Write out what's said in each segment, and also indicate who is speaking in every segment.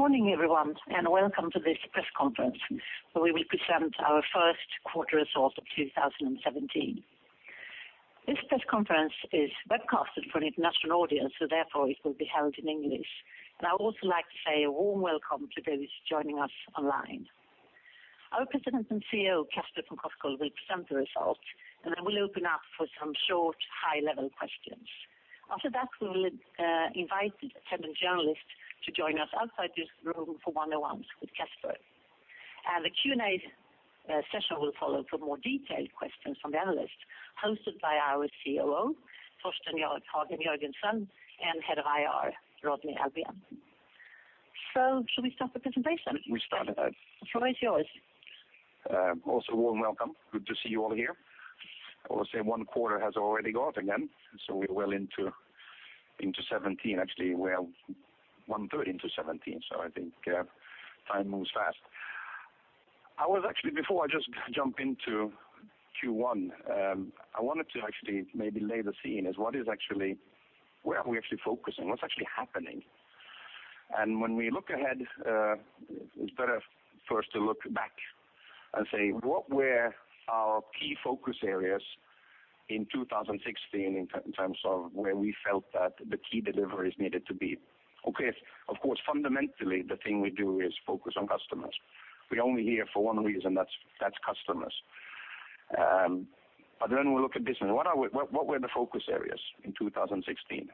Speaker 1: Good morning, everyone. Welcome to this press conference where we will present our first quarter results of 2017. This press conference is webcasted for an international audience. Therefore, it will be held in English. I would also like to say a warm welcome to those joining us online. Our President and CEO, Casper von Koskull, will present the results, and then we will open up for some short high-level questions. After that, we will invite the attending journalists to join us outside this room for one-on-ones with Casper. The Q&A session will follow for more detailed questions from the analysts, hosted by our COO, Torsten Hagen Jørgensen, and Head of IR, Rodney Alfvén. Should we start the presentation?
Speaker 2: We start.
Speaker 1: The floor is yours.
Speaker 2: Also, warm welcome. Good to see you all here. I want to say one quarter has already gone again. We are well into 2017. Actually, we are one third into 2017, I think time moves fast. Actually, before I just jump into Q1, I wanted to maybe lay the scene as where are we actually focusing? What is actually happening? When we look ahead, it is better first to look back and say, what were our key focus areas in 2016 in terms of where we felt that the key deliveries needed to be? Okay. Of course, fundamentally, the thing we do is focus on customers. We are only here for one reason, that is customers. We look at this one. What were the focus areas in 2016?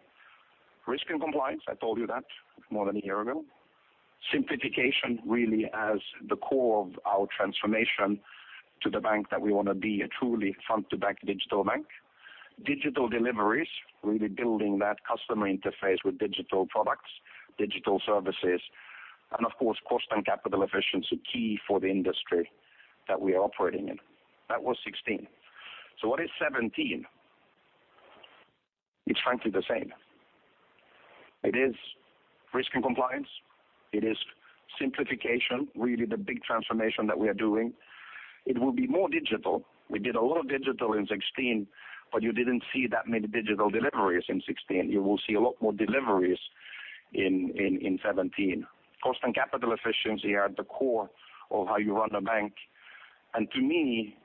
Speaker 2: Risk and compliance, I told you that more than a year ago. Simplification really as the core of our transformation to the bank that we want to be, a truly front-to-back digital bank. Digital deliveries, really building that customer interface with digital products, digital services, and of course, cost and capital efficiency, key for the industry that we are operating in. That was 2016. What is 2017? It's frankly the same. It is risk and compliance. It is simplification, really the big transformation that we are doing. It will be more digital. We did a lot of digital in 2016, but you didn't see that many digital deliveries in 2016. You will see a lot more deliveries in 2017. Cost and capital efficiency are at the core of how you run a bank. To me,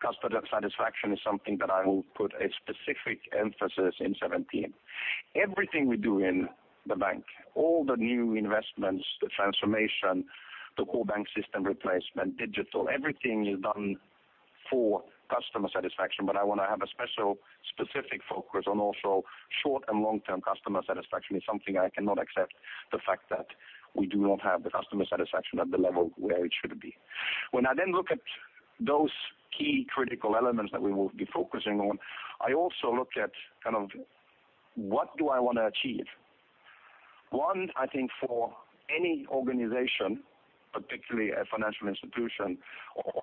Speaker 2: customer satisfaction is something that I will put a specific emphasis in 2017. Everything we do in the bank, all the new investments, the transformation, the core bank system replacement, digital, everything is done for customer satisfaction. I want to have a special specific focus on also short- and long-term customer satisfaction. It's something I cannot accept the fact that we do not have the customer satisfaction at the level where it should be. I look at those key critical elements that we will be focusing on, I also looked at what do I want to achieve? One, I think for any organization, particularly a financial institution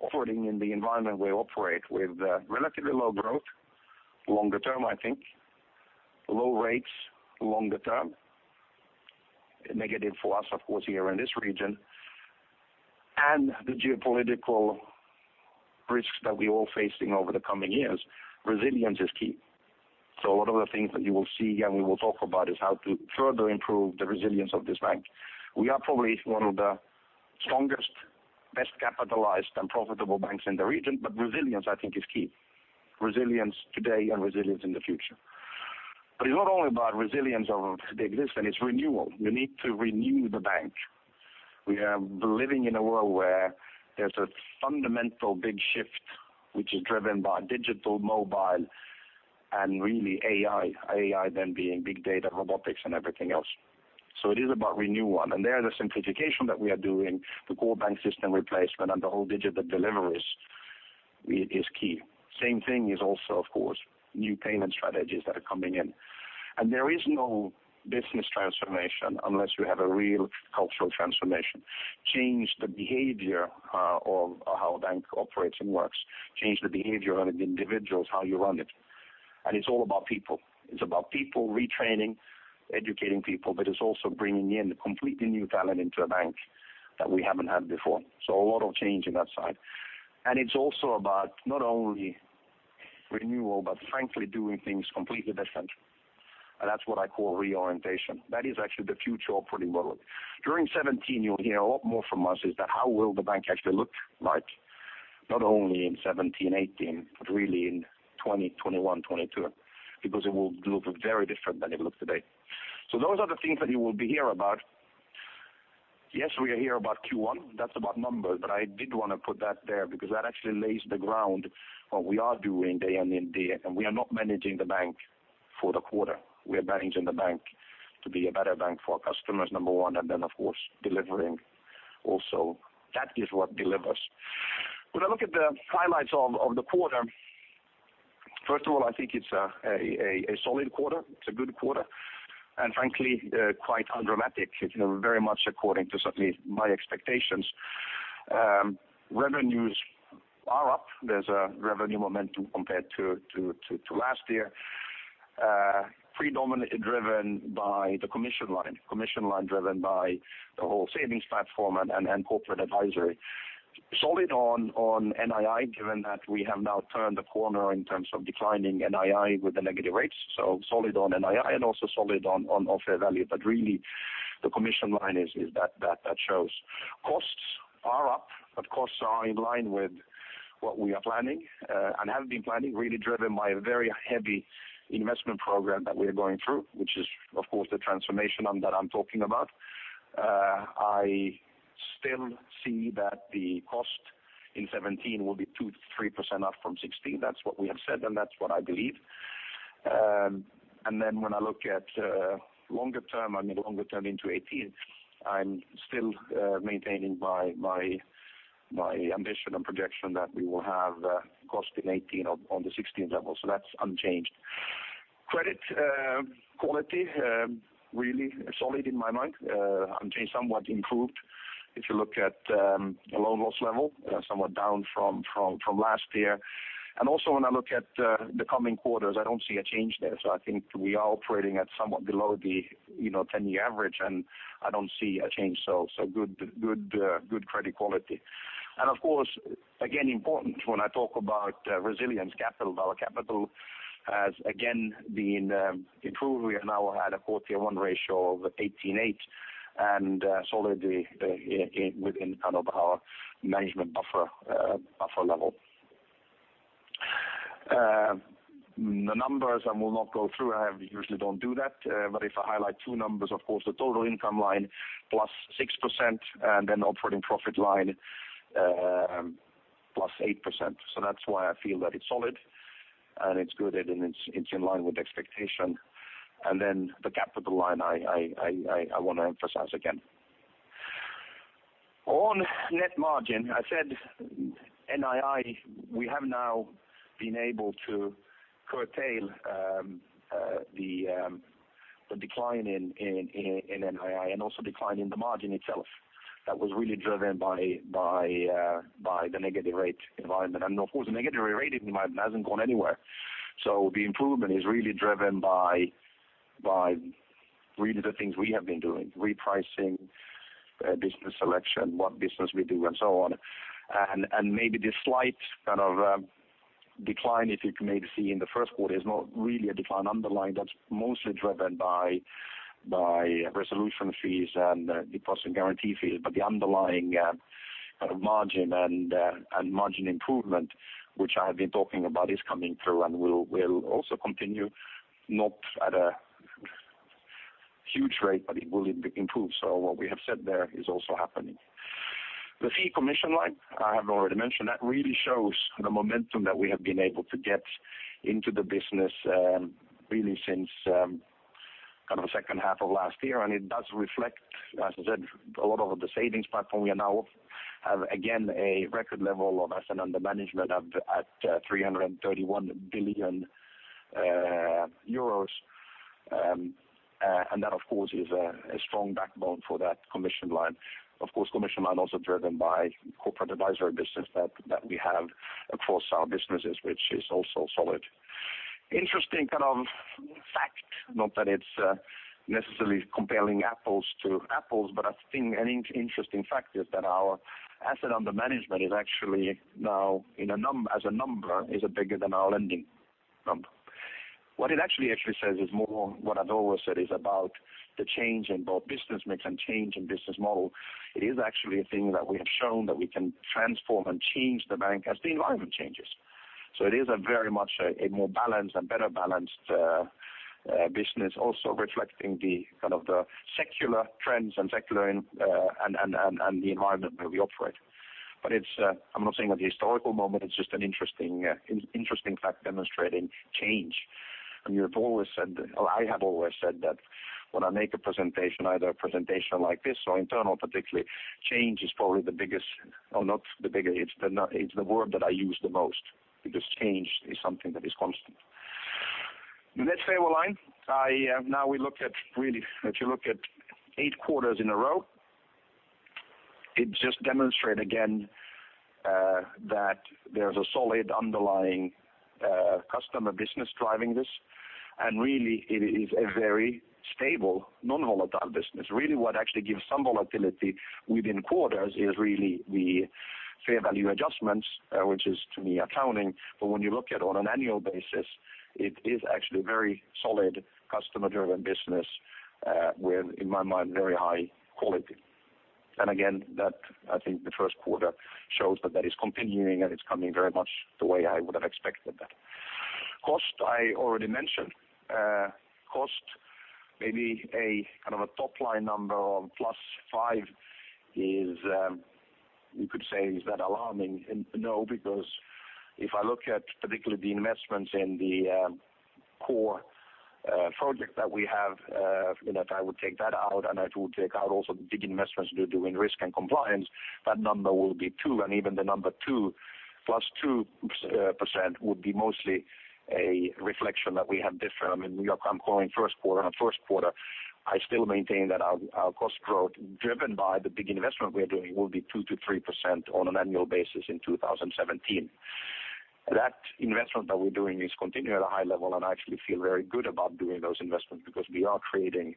Speaker 2: operating in the environment we operate with relatively low growth, longer term, I think. Low rates longer term. Negative for us, of course, here in this region. The geopolitical risks that we're all facing over the coming years, resilience is key. One of the things that you will see and we will talk about is how to further improve the resilience of this bank. We are probably one of the strongest, best capitalized, and profitable banks in the region, resilience, I think is key. Resilience today and resilience in the future. It's not only about resilience of the existing, it's renewal. We need to renew the bank. We are living in a world where there's a fundamental big shift, which is driven by digital, mobile, and really AI. AI then being big data, robotics, and everything else. It is about renewing. There, the simplification that we are doing, the core bank system replacement, and the whole digital deliveries is key. Same thing is also, of course, new payment strategies that are coming in. There is no business transformation unless you have a real cultural transformation. Change the behavior of how a bank operates and works. Change the behavior of individuals, how you run it. It's all about people. It's about people, retraining, educating people, but it's also bringing in completely new talent into a bank that we haven't had before. A lot of change in that side. It's also about not only renewal, but frankly, doing things completely different. That's what I call reorientation. That is actually the future operating model. During 2017, you'll hear a lot more from us is that how will the bank actually look like, not only in 2017, 2018, but really in 2020, 2021, 2022, because it will look very different than it looks today. Those are the things that you will be hear about. Yes, we are here about Q1, that's about numbers. I did want to put that there because that actually lays the ground what we are doing day in and day out. We are not managing the bank for the quarter. We are managing the bank to be a better bank for our customers, number one, and then, of course, delivering also. That is what delivers. When I look at the highlights of the quarter, first of all, I think it's a solid quarter. It's a good quarter, and frankly, quite undramatic. It's very much according to certainly my expectations. Revenues are up. There's a revenue momentum compared to last year. Predominantly driven by the commission line. Commission line driven by the whole savings platform and corporate advisory. Solid on NII, given that we have now turned a corner in terms of declining NII with the negative rates. Solid on NII and also solid on fair value. Really the commission line is that shows. Costs are up, but costs are in line with what we are planning and have been planning, really driven by a very heavy investment program that we're going through, which is of course the transformation that I'm talking about. I still see that the cost in 2017 will be 2%-3% up from 2016. That's what we have said, and that's what I believe. When I look at longer term, I mean longer term into 2018, I'm still maintaining my ambition and projection that we will have cost in 2018 on the 2016 level. That's unchanged. Credit quality, really solid in my mind, unchanged, somewhat improved. If you look at the loan loss level, somewhat down from last year. When I look at the coming quarters, I don't see a change there. I think we are operating at somewhat below the 10-year average, and I don't see a change. Good credit quality. Again important when I talk about resilience capital, our capital has again been improved. We are now at a 4.1% ratio of 18.8% and solidly within our management buffer level. The numbers I will not go through. I usually don't do that. If I highlight two numbers, of course, the total income line plus 6% and then operating profit line plus 8%. That's why I feel that it's solid and it's good and it's in line with expectation. The capital line, I want to emphasize again. On net margin, I said NII, we have now been able to curtail the decline in NII and also decline in the margin itself. That was really driven by the negative rate environment. The negative rate environment hasn't gone anywhere. The improvement is really driven by really the things we have been doing, repricing, business selection, what business we do and so on. Maybe the slight decline, if you can maybe see in the first quarter, is not really a decline underlying. That's mostly driven by resolution fees and deposit guarantee fees. The underlying margin and margin improvement, which I have been talking about, is coming through and will also continue, not at a huge rate, but it will improve. What we have said there is also happening. The fee commission line, I have already mentioned. That really shows the momentum that we have been able to get into the business really since second half of last year. It does reflect, as I said, a lot of the savings platform we now have, again, a record level of asset under management at 331 billion euros. That, of course, is a strong backbone for that commission line. Commission line also driven by corporate advisory business that we have across our businesses, which is also solid. Interesting fact, not that it's necessarily comparing apples to apples, but I think an interesting fact is that our asset under management is actually now as a number is bigger than our lending number. What it actually says is more what I've always said is about the change in both business mix and change in business model. It is actually a thing that we have shown that we can transform and change the bank as the environment changes. It is a very much a more balanced and better balanced business, also reflecting the secular trends and secular and the environment where we operate. I'm not saying at the historical moment, it's just an interesting fact demonstrating change. You have always said, or I have always said that when I make a presentation, either a presentation like this or internal, particularly change is probably the biggest or not the biggest, it's the word that I use the most, because change is something that is constant. Net stable line. Now if you look at eight quarters in a row, it just demonstrate again that there's a solid underlying customer business driving this. Really it is a very stable, non-volatile business. Really what actually gives some volatility within quarters is really the fair value adjustments, which is to me accounting. When you look at on an annual basis, it is actually very solid customer driven business with, in my mind, very high quality. Again, that I think the first quarter shows that that is continuing and it's coming very much the way I would have expected that. Cost, I already mentioned. Cost, maybe a top line number of +5 is, you could say, is that alarming? No, because if I look at particularly the investments in the core project that we have, that I would take that out and I would take out also the big investments we're doing risk and compliance. That number will be 2, and even the number 2 +2% would be mostly a reflection that we have different. I'm calling first quarter and first quarter, I still maintain that our cost growth driven by the big investment we are doing will be 2%-3% on an annual basis in 2017. That investment that we're doing is continuing at a high level, I actually feel very good about doing those investments because we are creating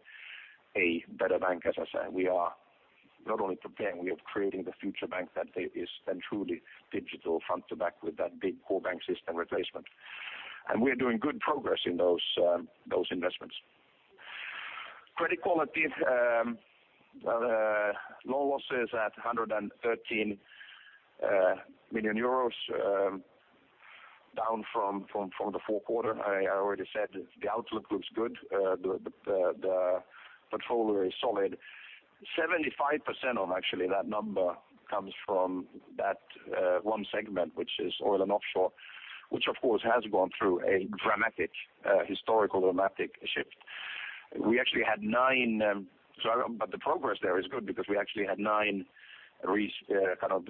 Speaker 2: a better bank, as I said. We are not only preparing, we are creating the future bank that is then truly digital front to back with that big core bank system replacement. We are making good progress in those investments. Credit quality. Loan losses at 113 million euros, down from the fourth quarter. I already said the outlook looks good. The portfolio is solid. 75% of that number comes from that one segment, which is oil and offshore, which of course, has gone through a historical dramatic shift. The progress there is good because we actually had nine restructurings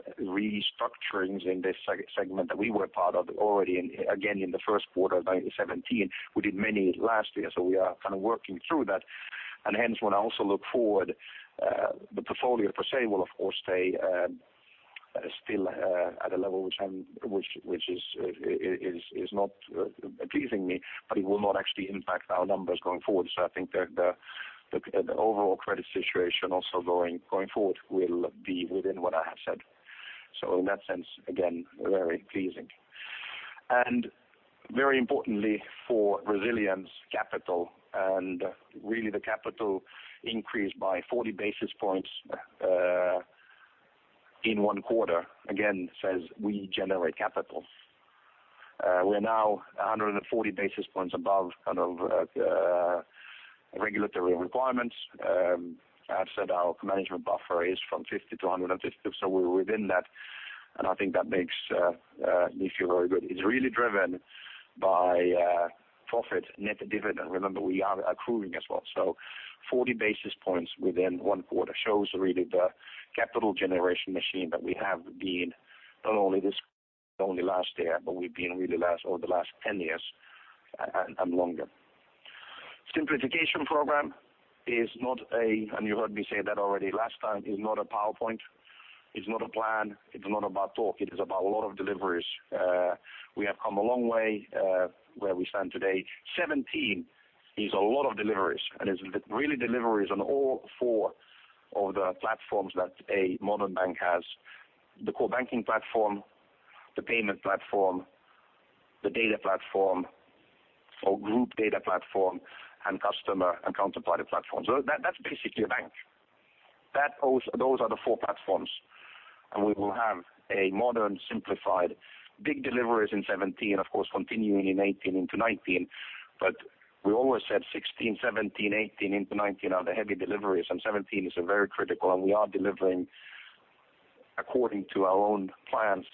Speaker 2: in this segment that we were part of already, again, in Q1 2017. We did many last year, so we are working through that. Hence, when I also look forward, the portfolio per se will, of course, stay still at a level which is not pleasing me, but it will not actually impact our numbers going forward. I think that the overall credit situation also going forward will be within what I have said. In that sense, again, very pleasing. Very importantly for resilience, capital, and really the capital increased by 40 basis points in one quarter, again, says we generate capital. We are now 140 basis points above regulatory requirements. I've said our management buffer is from 50 to 150, so we're within that, I think that makes me feel very good. It's really driven by profit net dividend. Remember, we are accruing as well. 40 basis points within one quarter shows really the capital generation machine that we have been not only this, only last year, but we've been really over the last 10 years and longer. Simplification program is not a, you heard me say that already last time, is not a PowerPoint. It's not a plan. It's not about talk. It is about a lot of deliveries. We have come a long way where we stand today. 2017 is a lot of deliveries, and it's really deliveries on all four of the platforms that a modern bank has. The core banking platform, the payment platform, the data platform or group data platform, and customer and counterparty platform. That's basically a bank. Those are the four platforms, and we will have a modern, simplified, big deliveries in 2017, of course, continuing in 2018 into 2019. We always said 2016, 2017, 2018, into 2019 are the heavy deliveries, and 2017 is very critical, and we are delivering according to our own plans.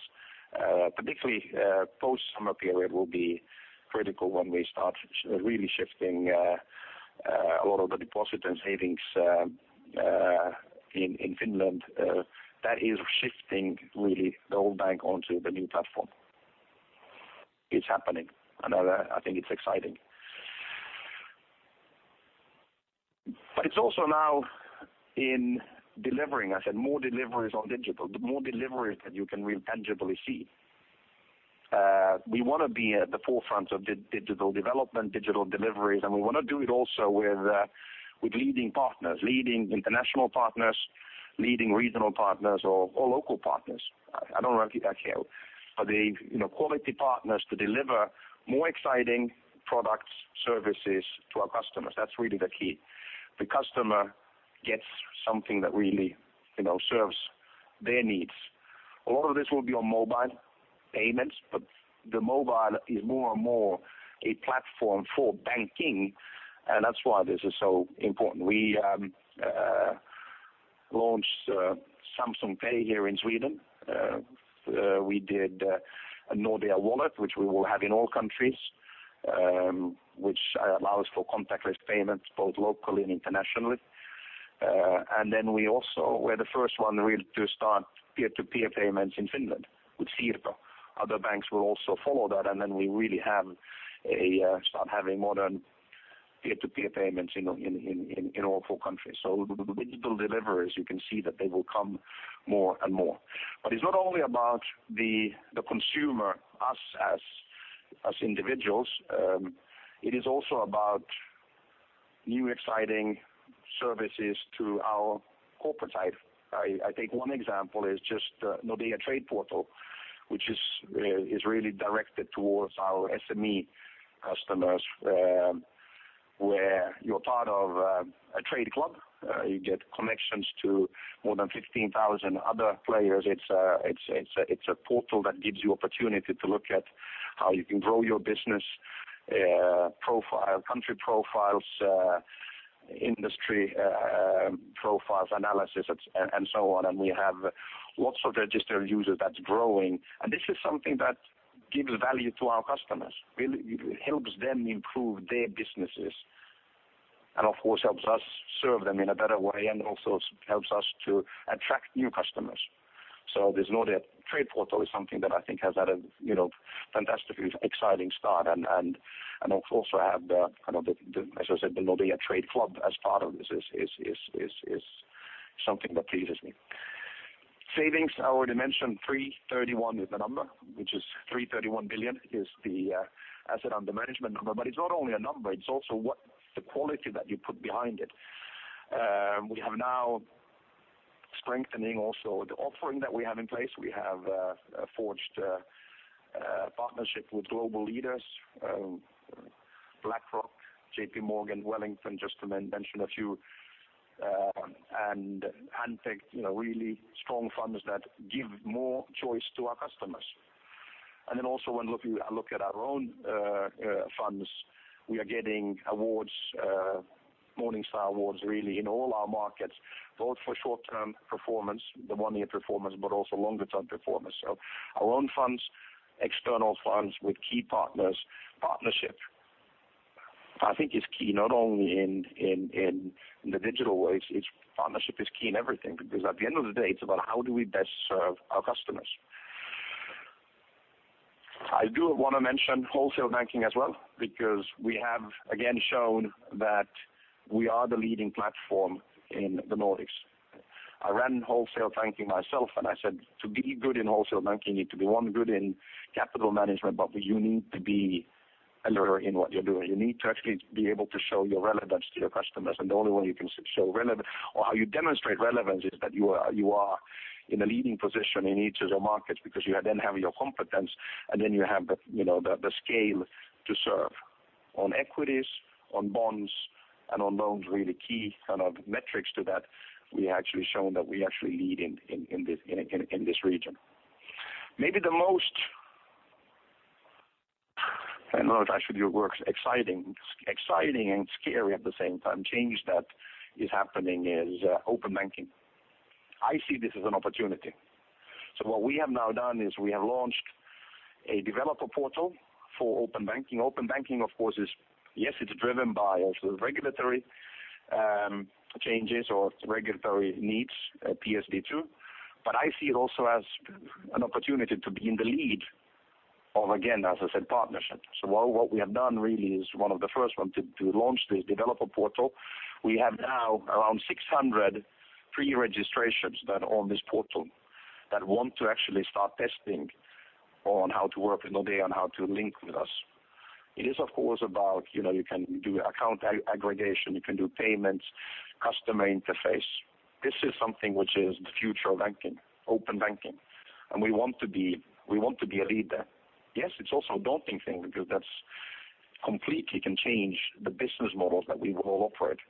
Speaker 2: Particularly post-summer period will be critical when we start really shifting a lot of the deposit and savings in Finland. That is shifting really the old bank onto the new platform. It's happening, I think it's exciting. It's also now in delivering, I said more deliveries on digital, but more deliveries that you can really tangibly see. We want to be at the forefront of digital development, digital deliveries, We want to do it also with leading partners, leading international partners, leading regional partners or local partners. I don't really care. Quality partners to deliver more exciting products, services to our customers. That's really the key. The customer gets something that really serves their needs. A lot of this will be on mobile payments, the mobile is more and more a platform for banking, That's why this is so important. We launched Samsung Pay here in Sweden. We did Nordea Wallet, which we will have in all countries, which allows for contactless payments both locally and internationally. Then we also were the first one really to start peer-to-peer payments in Finland with Siirto. Other banks will also follow that, and then we really start having modern peer-to-peer payments in all four countries. The digital deliveries, you can see that they will come more and more. It's not only about the consumer, us as individuals. It is also about new, exciting services to our corporate side. I take one example is just Nordea Trade Portal, which is really directed towards our SME customers, where you're part of a trade club. You get connections to more than 15,000 other players. It's a portal that gives you opportunity to look at how you can grow your business, country profiles, industry profiles, analysis, and so on. We have lots of registered users that's growing. This is something that gives value to our customers. Really helps them improve their businesses, and of course, helps us serve them in a better way and also helps us to attract new customers. This Nordea Trade Portal is something that I think has had a fantastically exciting start, and also have the, as I said, the Nordea Trade Club as part of this is something that pleases me. Savings, I already mentioned 331 is the number, which is 331 billion is the asset under management number. It's not only a number, it's also what the quality that you put behind it. We have now strengthening also the offering that we have in place. We have forged a partnership with global leaders, BlackRock, JP Morgan, Wellington, just to mention a few, and other, really strong funds that give more choice to our customers. Then also when looking at our own funds, we are getting awards, Morningstar Awards, really in all our markets, both for short-term performance, the one-year performance, but also longer-term performance. Our own funds, external funds with key partners. Partnership, I think is key not only in the digital ways, partnership is key in everything because at the end of the day, it's about how do we best serve our customers. I do want to mention Wholesale Banking as well, because we have, again, shown that we are the leading platform in the Nordics. I ran Wholesale Banking myself, and I said, to be good in Wholesale Banking, you need to be, one, good in capital management, but you need to be a leader in what you're doing. You need to actually be able to show your relevance to your customers. The only way you can show relevance or how you demonstrate relevance is that you are in a leading position in each of your markets because you then have your competence, then you have the scale to serve on equities, on bonds, and on loans, really key kind of metrics to that we actually shown that we actually lead in this region. Maybe the most, I don't know what I should use, words, exciting and scary at the same time change that is happening is open banking. I see this as an opportunity. What we have now done is we have launched a developer portal for open banking. Open banking, of course, is yes, it's driven by also regulatory changes or regulatory needs, PSD2. I see it also as an opportunity to be in the lead of, again, as I said, partnership. What we have done really is one of the first ones to launch this developer portal. We have now around 600 pre-registrations on this portal that want to actually start testing on how to work with Nordea, on how to link with us. It is, of course, about you can do account aggregation, you can do payments, customer interface. This is something which is the future of banking, open banking. We want to be a leader. Yes, it is also a daunting thing because that completely can change the business models that we have all operated.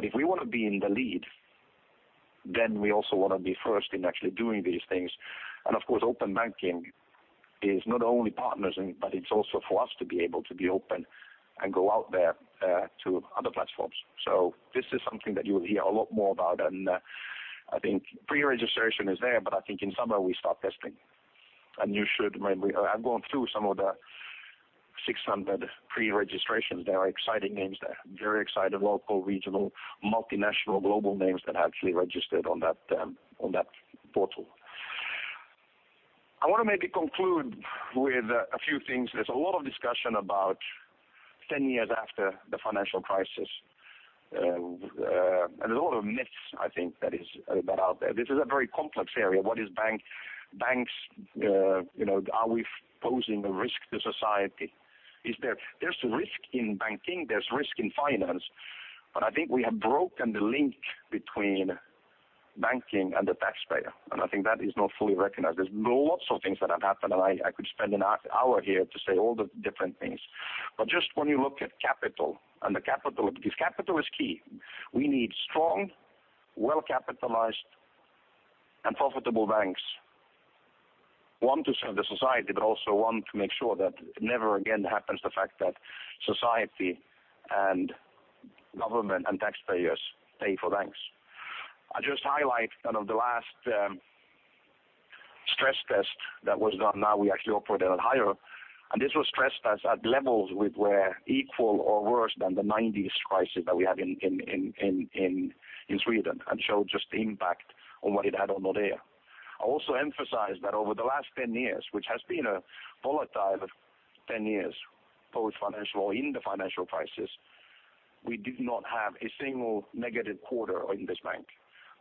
Speaker 2: If we want to be in the lead, then we also want to be first in actually doing these things. Of course, open banking is not only partners, but it is also for us to be able to be open and go out there to other platforms. This is something that you will hear a lot more about, and I think pre-registration is there, but I think in summer we start testing. I have gone through some of the 600 pre-registrations. There are exciting names there. Very exciting local, regional, multinational, global names that actually registered on that portal. I want to maybe conclude with a few things. There is a lot of discussion about 10 years after the financial crisis. There is a lot of myths, I think that is out there. This is a very complex area. What is banks, are we posing a risk to society? There is risk in banking, there is risk in finance. I think we have broken the link between banking and the taxpayer, and I think that is not fully recognized. There is lots of things that have happened, and I could spend an hour here to say all the different things. Just when you look at capital and the capital, because capital is key. We need strong, well-capitalized, and profitable banks, one, to serve the society, but also, one, to make sure that never again happens the fact that society and government and taxpayers pay for banks. I just highlight the last stress test that was done. Now we actually operate at higher. This was stress test at levels with were equal or worse than the '90s crisis that we had in Sweden and showed just the impact on what it had on Nordea. I also emphasize that over the last 10 years, which has been a volatile 10 years, both financial or in the financial crisis, we did not have a single negative quarter in this bank.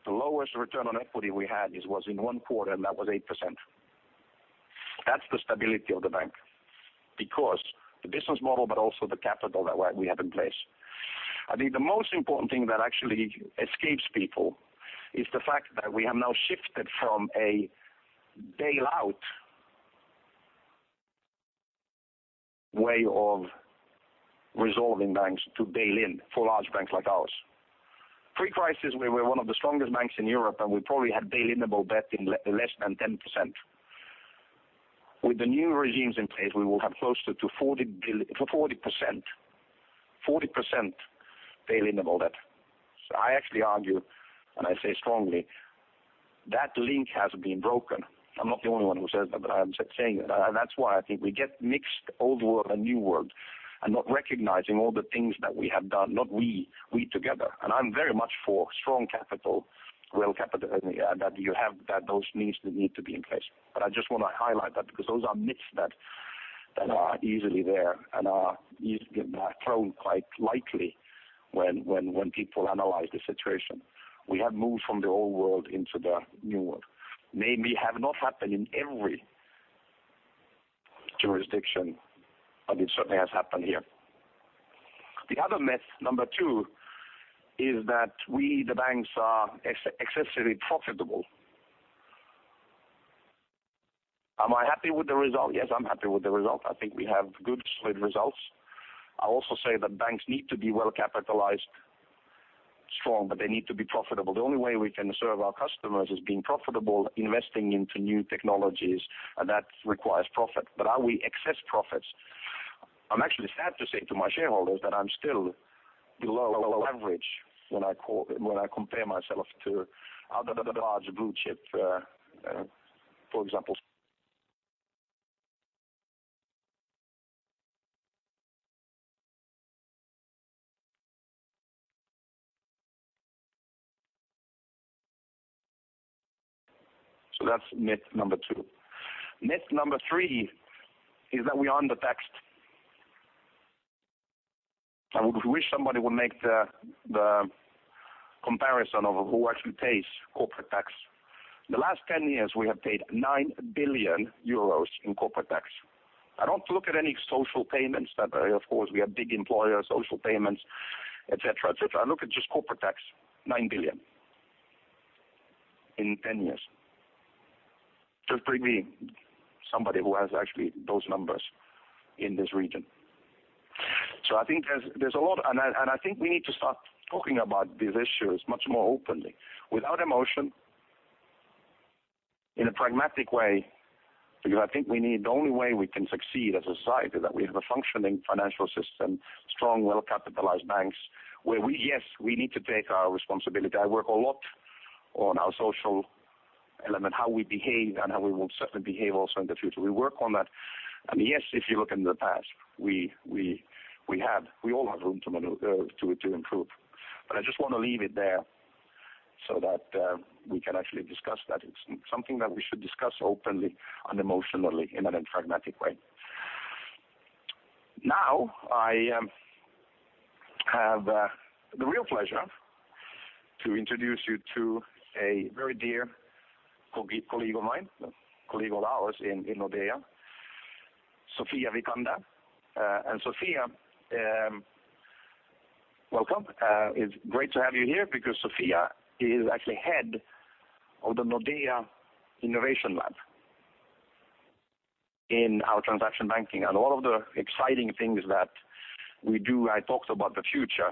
Speaker 2: The lowest return on equity we had was in one quarter, and that was 8%. That is the stability of the bank because the business model, but also the capital that we have in place. I think the most important thing that actually escapes people is the fact that we have now shifted from a bailout way of resolving banks to bail-in for large banks like ours. Pre-crisis, we were one of the strongest banks in Europe, and we probably had bail-inable debt in less than 10%. With the new regimes in place, we will have closer to 40% bail-inable debt. I actually argue, and I say strongly, that link has been broken. I am not the only one who says that, but I am saying that. That's why I think we get mixed old world and new world and not recognizing all the things that we have done, not we together. I'm very much for strong capital, well-capitalized, those needs need to be in place. I just want to highlight that because those are myths that are easily there and are thrown quite lightly when people analyze the situation. We have moved from the old world into the new world. Maybe it has not happened in every jurisdiction, but it certainly has happened here. The other myth, number 2, is that we, the banks, are excessively profitable. Am I happy with the result? Yes, I'm happy with the result. I think we have good, solid results. I also say that banks need to be well-capitalized, strong, but they need to be profitable. The only way we can serve our customers is being profitable, investing into new technologies, and that requires profit. Are we excess profits? I'm actually sad to say to my shareholders that I'm still below average when I compare myself to other large blue-chip, for example. That's myth number 2. Myth number 3 is that we are under-taxed. I wish somebody would make the comparison of who actually pays corporate tax. The last 10 years, we have paid 9 billion euros in corporate tax. I don't look at any social payments that, of course, we are big employer, social payments, et cetera. I look at just corporate tax, 9 billion in 10 years. Just bring me somebody who has actually those numbers in this region. I think we need to start talking about these issues much more openly, without emotion, in a pragmatic way, because I think the only way we can succeed as a society is that we have a functioning financial system, strong, well-capitalized banks, where, yes, we need to take our responsibility. I work a lot on our social element, how we behave, and how we will certainly behave also in the future. We work on that, and yes, if you look in the past, we all have room to improve. I just want to leave it there so that we can actually discuss that. It's something that we should discuss openly and without emotion in a pragmatic way. Now, I have the real pleasure to introduce you to a very dear colleague of mine, colleague of ours in Nordea, Sophia Vikander. Sophia, welcome. It's great to have you here because Sophia is actually head of the Nordea Innovation Lab in our transaction banking. All of the exciting things that we do, I talked about the future.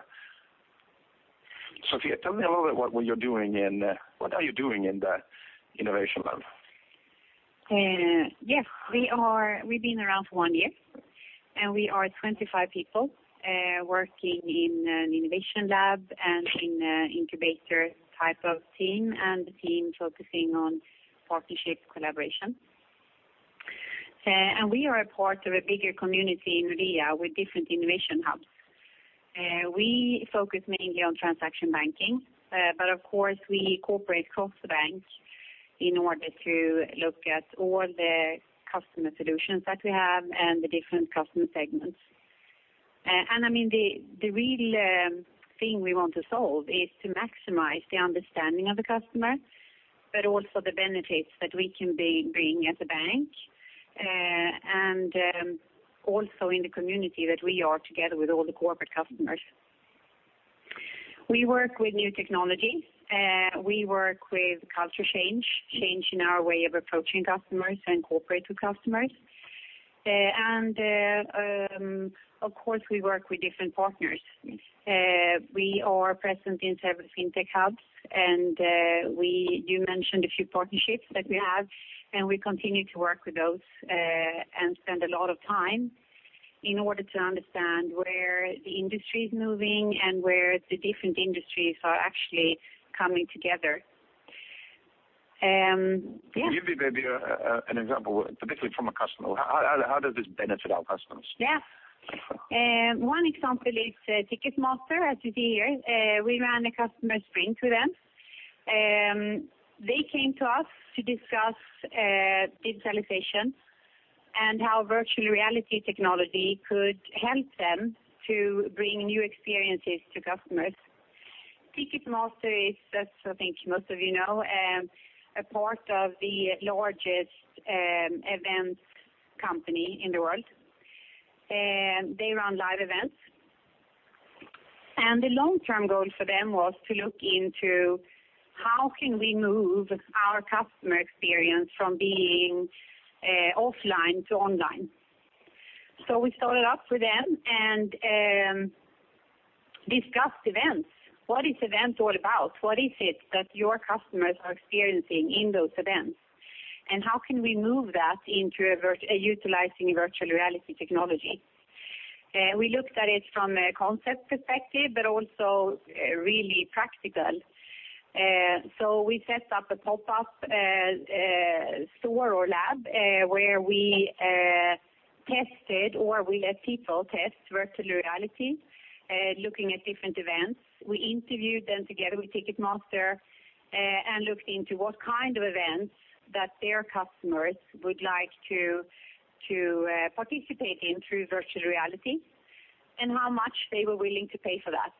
Speaker 2: Sophia, tell me a little bit what are you doing in the Innovation Lab? Yes. We've been around for one year, and we are 25 people, working in an Innovation Lab and in an incubator type of team, the team focusing on partnership collaboration. We are a part of a bigger community in Nordea with different innovation hubs. We focus mainly on transaction banking. Of course, we cooperate across the bank in order to look at all the customer solutions that we have and the different customer segments. The real thing we want to solve is to maximize the understanding of the customer, but also the benefits that we can bring as a bank, and also in the community that we are together with all the corporate customers. We work with new technology. We work with culture change in our way of approaching customers and cooperating with customers. Of course, we work with different partners. We are present in several fintech hubs. You mentioned a few partnerships that we have. We continue to work with those, and spend a lot of time in order to understand where the industry is moving and where the different industries are actually coming together. Yeah. Give me maybe an example, specifically from a customer. How does this benefit our customers? Yeah. One example is Ticketmaster, as you see here. We ran a customer sprint with them. They came to us to discuss digitalization and how virtual reality technology could help them to bring new experiences to customers. Ticketmaster is, as I think most of you know, a part of the largest events company in the world. They run live events. The long-term goal for them was to look into how can we move our customer experience from being offline to online. We started up with them and discussed events. What is events all about? What is it that your customers are experiencing in those events? How can we move that into utilizing virtual reality technology? We looked at it from a concept perspective, but also really practical. We set up a pop-up store or lab, where we tested or we let people test virtual reality, looking at different events. We interviewed them together with Ticketmaster, looked into what kind of events that their customers would like to participate in through virtual reality. How much they were willing to pay for that.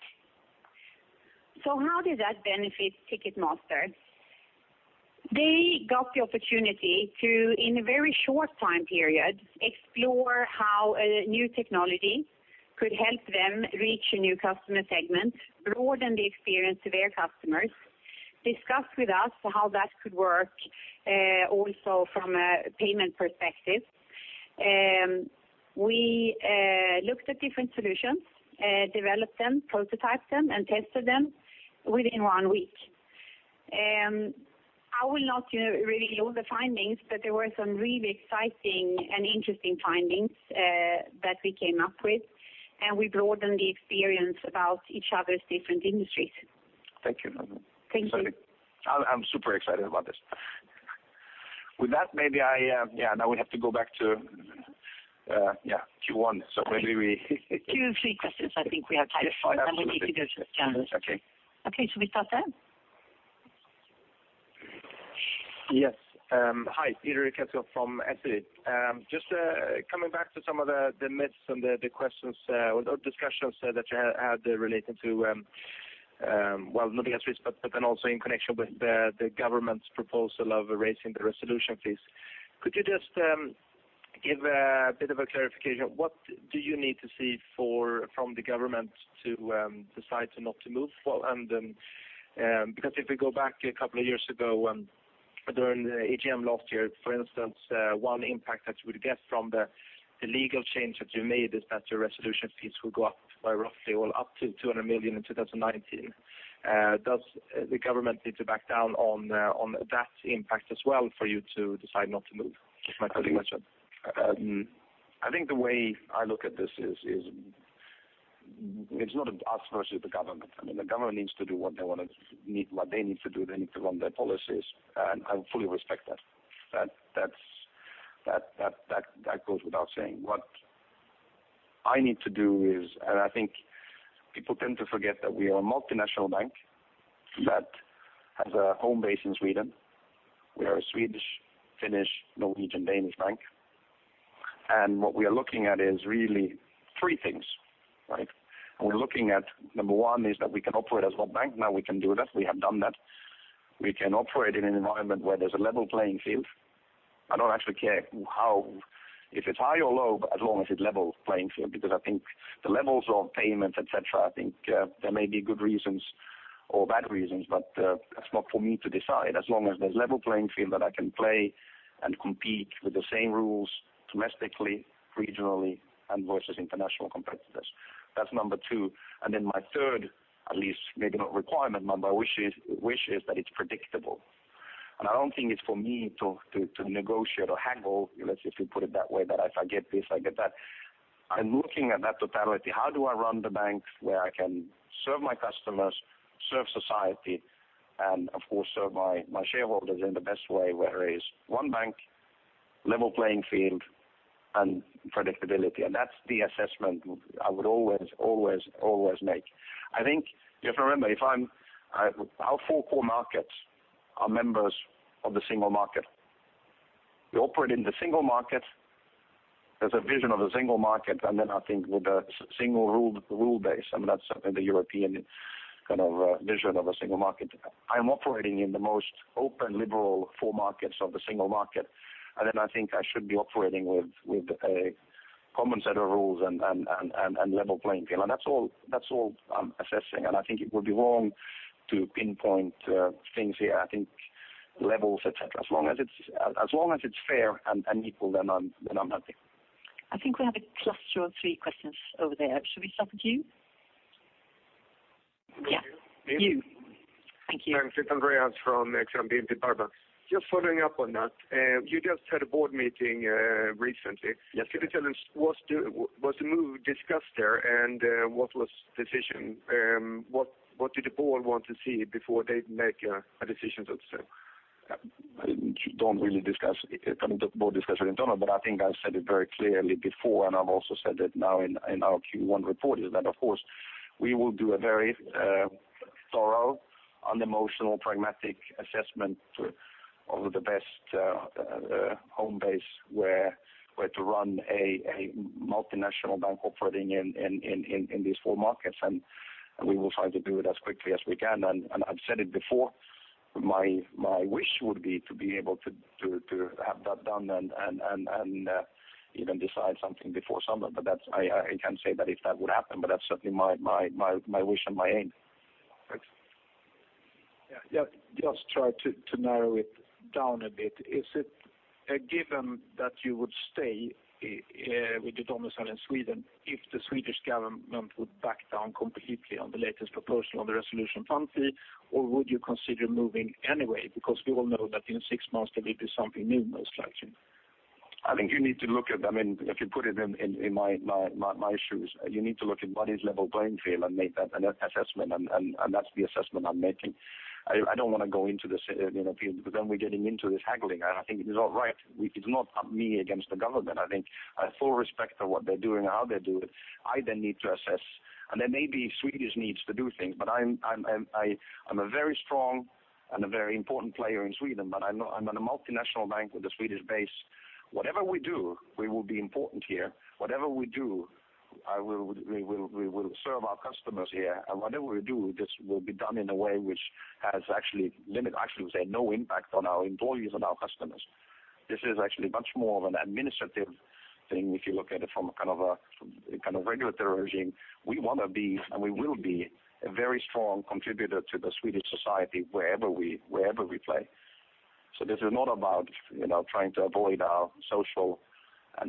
Speaker 2: How did that benefit Ticketmaster? They got the opportunity to, in a very short time period, explore how a new technology could help them reach a new customer segment, broaden the experience of their customers, discuss with us how that could work, also from a payment perspective. We looked at different solutions, developed them, prototyped them, and tested them within one week. I will not really reveal all the findings, there were some really exciting and interesting findings that we came up with, we broadened the experience about each other's different industries. Thank you. Thank you. I'm super excited about this. With that, now we have to go back to Q1, maybe we
Speaker 1: Two, three questions, I think we have time for. Absolutely We need to go to the journalists.
Speaker 2: Okay.
Speaker 1: Okay. Shall we start then?
Speaker 2: Yes. Hi. Peter, I think we have a cluster of three questions over there. Should we start with you? Yeah, you. Thank you.
Speaker 3: Thanks. It's Andreas from Exane BNP Paribas. Just following up on that, you just had a board meeting recently.
Speaker 2: Yes.
Speaker 3: Could you tell us what's the move discussed there, and what was the decision? What did the board want to see before they make a decision that's there?
Speaker 2: The board discussed it internal, but I think I've said it very clearly before, and I've also said it now in our Q1 report, is that, of course, we will do a very thorough, unemotional, pragmatic assessment of the best home base where to run a multinational bank operating in these four markets. We will try to do it as quickly as we can. I've said it before, my wish would be to be able to have that done and even decide something before summer. I can't say that if that would happen, but that's certainly my wish and my aim.
Speaker 3: Thanks. Yeah. Just try to narrow it down a bit. Is it a given that you would stay with the domicile in Sweden if the Swedish government would back down completely on the latest proposal on the resolution fund fee, or would you consider moving anyway? Because we all know that in 6 months, there will be something new most likely.
Speaker 2: If you put it in my shoes, you need to look at what is level playing field and make that assessment, and that's the assessment I'm making. I don't want to go into this, because then we're getting into this haggling, and I think it is all right. It's not me against the government. I think I have full respect for what they're doing, how they do it. I then need to assess, and there may be Swedish needs to do things, but I'm a very strong and a very important player in Sweden, but I'm not a multinational bank with a Swedish base. Whatever we do, we will be important here. Whatever we do, we will serve our customers here, and whatever we do, this will be done in a way which has actually limit, actually say no impact on our employees and our customers. This is actually much more of an administrative thing, if you look at it from a kind of regulatory regime. We want to be, and we will be, a very strong contributor to the Swedish society wherever we play. This is not about trying to avoid our social and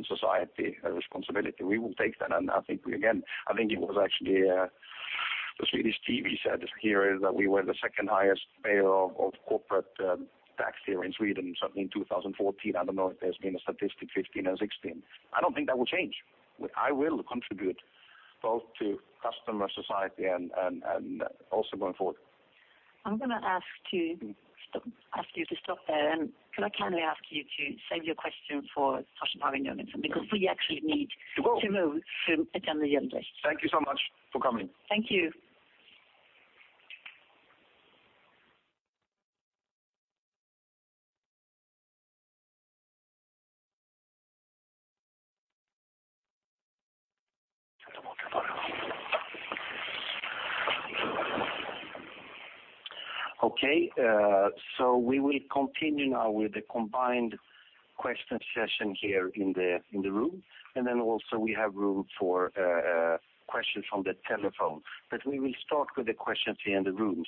Speaker 2: society responsibility. We will take that, and I think it was actually the Swedish TV said here that we were the second highest payer of corporate tax here in Sweden, certainly in 2014. I don't know if there's been a statistic 2015 and 2016. I don't think that will change. I will contribute both to customer society and also going forward.
Speaker 1: I'm going to ask you to stop there, and can I kindly ask you to save your question for the Annual General Meeting, because we actually need to move to agenda item next.
Speaker 2: Thank you so much for coming.
Speaker 1: Thank you.
Speaker 4: Okay. We will continue now with the combined question session here in the room. Also we have room for questions from the telephone. We will start with the questions here in the room.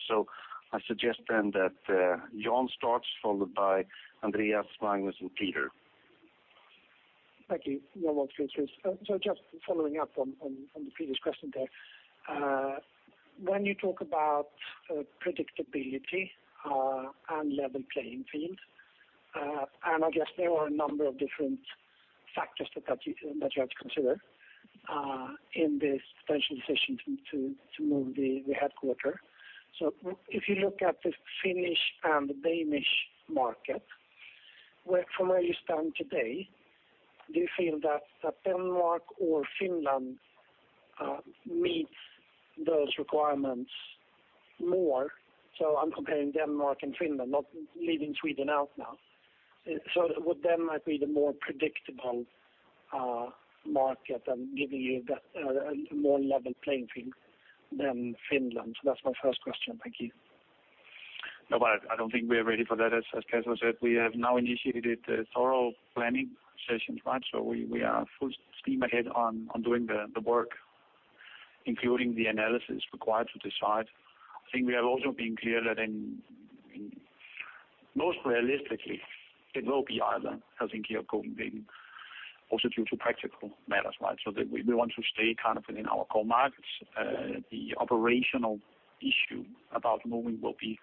Speaker 4: I suggest then that John starts, followed by Andreas, Magnus, and Peter.
Speaker 5: Thank you. Just following up on the previous question there. When you talk about predictability and level playing field, I guess there were a number of different factors that you have to consider in this potential decision to move the headquarter. If you look at the Finnish and the Danish market, from where you stand today, do you feel that Denmark or Finland meets those requirements more? I'm comparing Denmark and Finland, leaving Sweden out now. Would Denmark be the more predictable market and giving you that more level playing field than Finland? That's my first question. Thank you.
Speaker 6: No, I don't think we are ready for that. As Casper said, we have now initiated thorough planning sessions. We are full steam ahead on doing the work, including the analysis required to decide. I think we have also been clear that in most realistically, it will be either Helsinki or Copenhagen, also due to practical matters, right? We want to stay kind of within our core markets. The operational issue about moving will be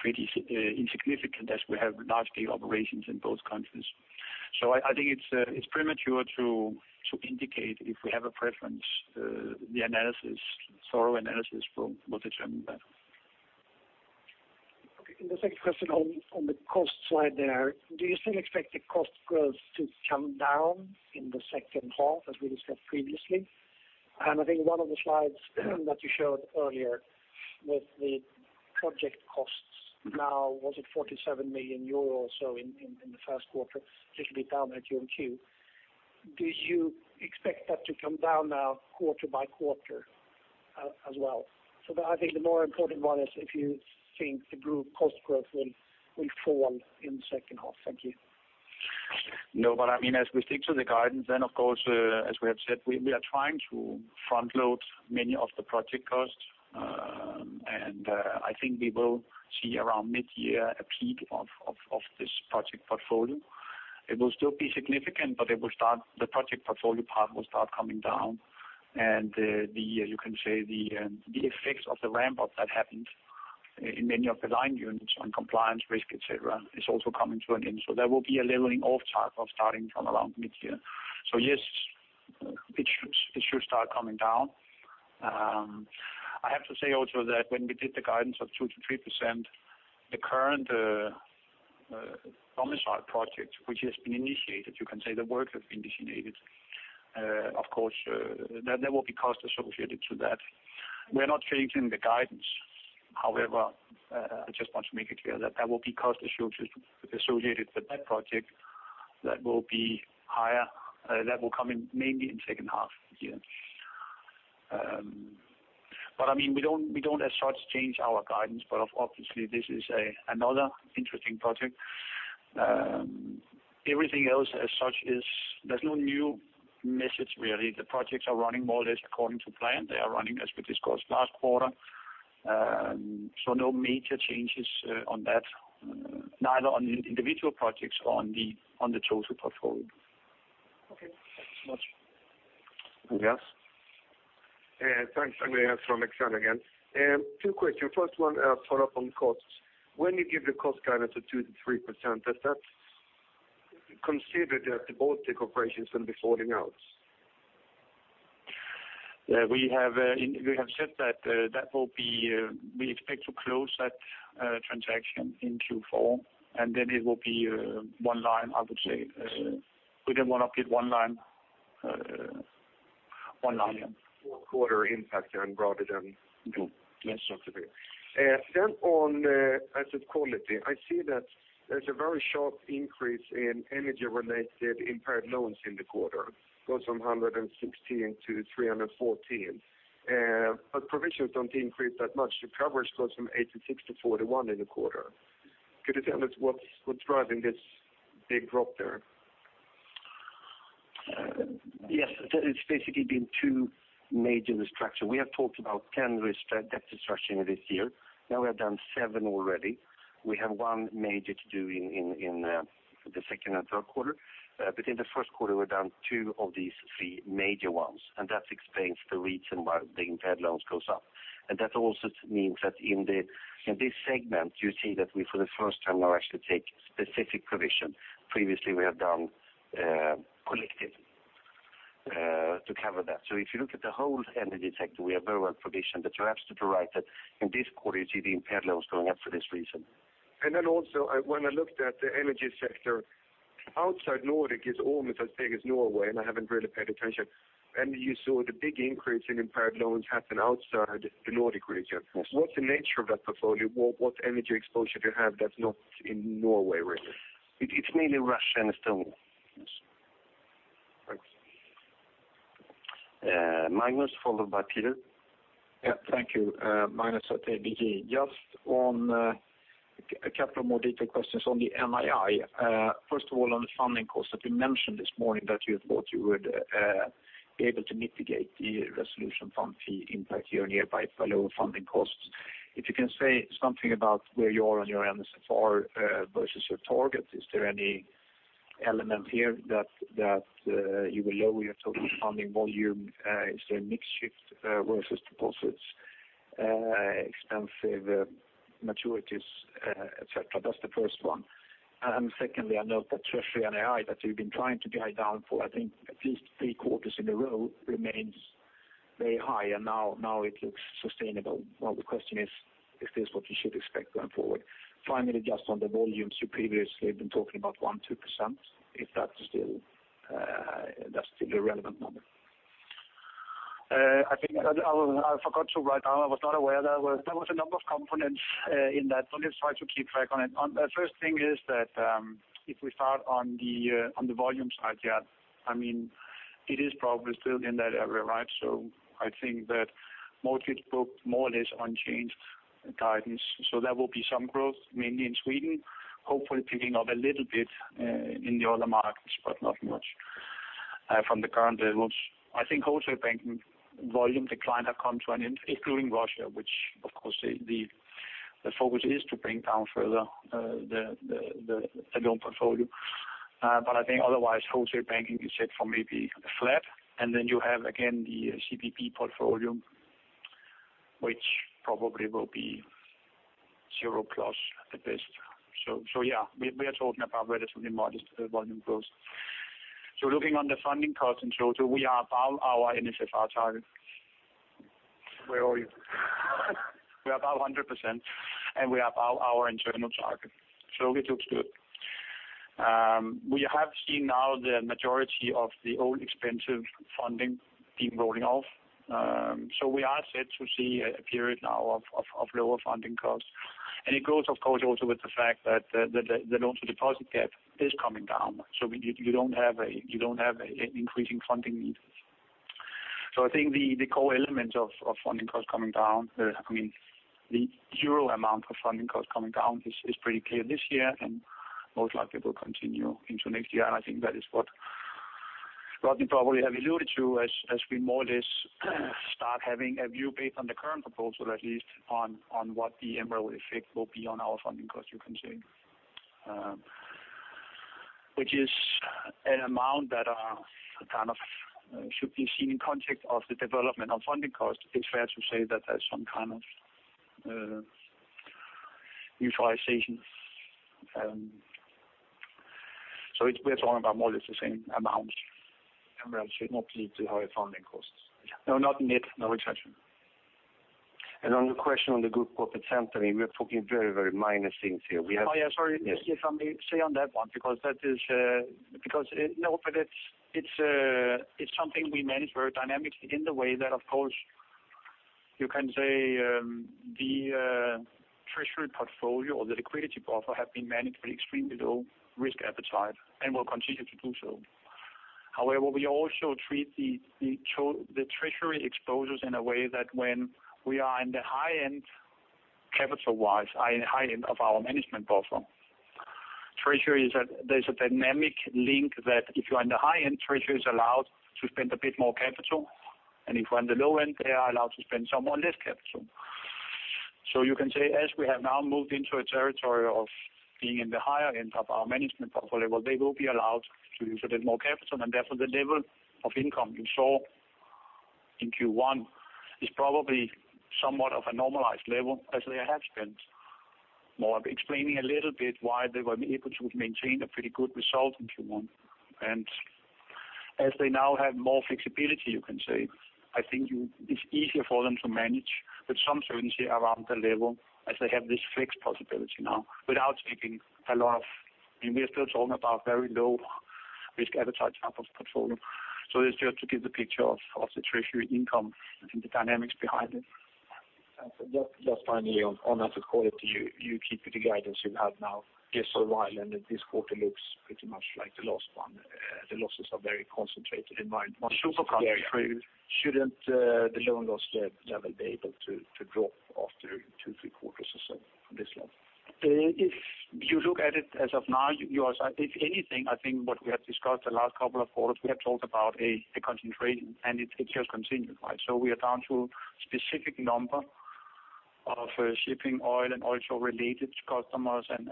Speaker 6: pretty insignificant as we have large-scale operations in both countries. I think it's premature to indicate if we have a preference. The thorough analysis will determine that.
Speaker 5: Okay, the second question on the cost slide there, do you still expect the cost growth to come down in the second half as we discussed previously? I think one of the slides that you showed earlier with the project costs now, was it 47 million euros or so in the first quarter, which will be down at QOQ. Do you expect that to come down now quarter by quarter as well? I think the more important one is if you think the group cost growth will fall in the second half. Thank you.
Speaker 6: No, I mean, as we stick to the guidance, of course, as we have said, we are trying to front-load many of the project costs. I think we will see around mid-year a peak of this project portfolio. It will still be significant, but the project portfolio part will start coming down. You can say the effects of the ramp-up that happened in many of the line units on compliance, risk, et cetera, is also coming to an end. There will be a leveling off type of starting from around mid-year. Yes, it should start coming down. I have to say also that when we did the guidance of 2%-3%, the current domicile project, which has been initiated, you can say the work has been initiated, of course, there will be cost associated to that. We're not changing the guidance. I just want to make it clear that there will be cost associated with that project that will be higher, that will come in mainly in second half of the year. We don't as such change our guidance, but obviously this is another interesting project. Everything else as such is, there's no new message really. The projects are running more or less according to plan. They are running as we discussed last quarter. No major changes on that, neither on individual projects or on the total portfolio.
Speaker 5: Okay. Thank you so much.
Speaker 3: Andreas. Thanks, Andreas from Exane again. Two questions. First one, a follow-up on costs. When you give the cost guidance of 2%-3%, does that consider that the Baltic operations will be falling out?
Speaker 6: We have said that we expect to close that transaction in Q4, and then it will be one line, I would say. We then want to be at one line.
Speaker 4: Quarter impact rather than-
Speaker 6: No. Yes.
Speaker 3: On asset quality, I see that there's a very sharp increase in energy-related impaired loans in the quarter. Goes from 116 to 314. Provisions don't increase that much. The coverage goes from 86% to 41% in the quarter. Could you tell us what's driving this big drop there?
Speaker 6: Yes. It's basically been two major restructurings. We have talked about 10 debt restructurings this year. Now we have done seven already. We have one major to do in the second and third quarter. In the first quarter, we've done two of these three major ones, and that explains the reason why the impaired loans goes up. That also means that in this segment, you see that we, for the first time now, actually take specific provision. Previously, we have done collective to cover that. If you look at the whole energy sector, we are very well provisioned. You're absolutely right that in this quarter, you see the impaired loans going up for this reason.
Speaker 3: When I looked at the energy sector, outside Nordic is almost as big as Norway, I haven't really paid attention. You saw the big increase in impaired loans happen outside the Nordic region. Yes. What's the nature of that portfolio? What energy exposure do you have that's not in Norway, really?
Speaker 6: It's mainly Russia and Estonia.
Speaker 3: Thanks.
Speaker 4: Magnus, followed by Peter.
Speaker 7: Yeah. Thank you. Magnus at ABG. Just on a couple of more detailed questions on the NII. First of all, on the funding cost that you mentioned this morning, that you thought you would be able to mitigate the resolution fund fee impact hereby by lower funding costs. If you can say something about where you are on your NSFR versus your target. Is there any element here that you will lower your total funding volume? Is there a mix shift versus deposits, expensive maturities, et cetera? That's the first one. Secondly, I note that Treasury and ALM, that you've been trying to guide down for, I think, at least three quarters in a row, remains very high, and now it looks sustainable. The question is this what we should expect going forward? Just on the volumes, you previously have been talking about 1%-2%, if that's still a relevant number?
Speaker 6: I forgot to write down. I was not aware. There was a number of components in that. Let me try to keep track on it. The first thing is that if we start on the volume side, it is probably still in that area. I think that mortgage book, more or less unchanged guidance. There will be some growth, mainly in Sweden, hopefully picking up a little bit in the other markets, but not much from the current levels. I think Wholesale Banking volume decline have come to an end, including Russia, which of course, the focus is to bring down further the loan portfolio. I think otherwise, Wholesale Banking is set for maybe flat. Then you have, again, the C&BB portfolio, which probably will be zero plus at best. Yeah, we are talking about relatively modest volume growth. Looking on the funding cost in total, we are above our NSFR target.
Speaker 7: Where are you?
Speaker 6: We're above 100%. We are above our internal target. It looks good. We have seen now the majority of the old expensive funding being rolling off. We are set to see a period now of lower funding costs. It goes, of course, also with the fact that the loan-to-deposit gap is coming down. You don't have increasing funding needs. I think the core element of funding costs coming down, the euro amount of funding costs coming down is pretty clear this year, and most likely will continue into next year. I think that is what Rodney probably have alluded to as we more or less start having a view based on the current proposal, at least on what the MREL effect will be on our funding cost, you can say. Which is an amount that should be seen in context of the development of funding cost. It's fair to say that there's some kind of utilization. We're talking about more or less the same amount.
Speaker 7: MREL should not lead to higher funding costs.
Speaker 6: No, not net, no. Exactly.
Speaker 4: On the question on the group profit center, we're talking very minor things here.
Speaker 6: Oh, yeah. Sorry. Yes, let me say on that one, because it's something we manage very dynamically in the way that, of course, you can say the treasury portfolio or the liquidity buffer have been managed with extremely low risk appetite, and will continue to do so. However, we also treat the treasury exposures in a way that when we are in the high end capital-wise, high end of our management buffer. There's a dynamic link that if you are in the high end, treasury is allowed to spend a bit more capital, and if you're on the low end, they are allowed to spend somewhat less capital. You can say, as we have now moved into a territory of being in the higher end of our management buffer level, they will be allowed to use a bit more capital, and therefore the level of income you saw in Q1 is probably somewhat of a normalized level as they have spent more, explaining a little bit why they were able to maintain a pretty good result in Q1. As they now have more flexibility, you can say, I think it's easier for them to manage with some certainty around the level as they have this flex possibility now. We are still talking about very low-risk appetite type of portfolio. It's just to give the picture of the treasury income and the dynamics behind it.
Speaker 7: Just finally on asset quality. You keep the guidance you have now. It's so while and then this quarter looks pretty much like the last one. The losses are very concentrated in one.
Speaker 6: Super concentrated.
Speaker 7: Shouldn't the loan loss level be able to drop after two, three quarters or so from this level?
Speaker 6: If you look at it as of now, if anything, I think what we have discussed the last couple of quarters, we have talked about a concentration, and it just continues. We are down to a specific number of shipping, oil, and also related customers, and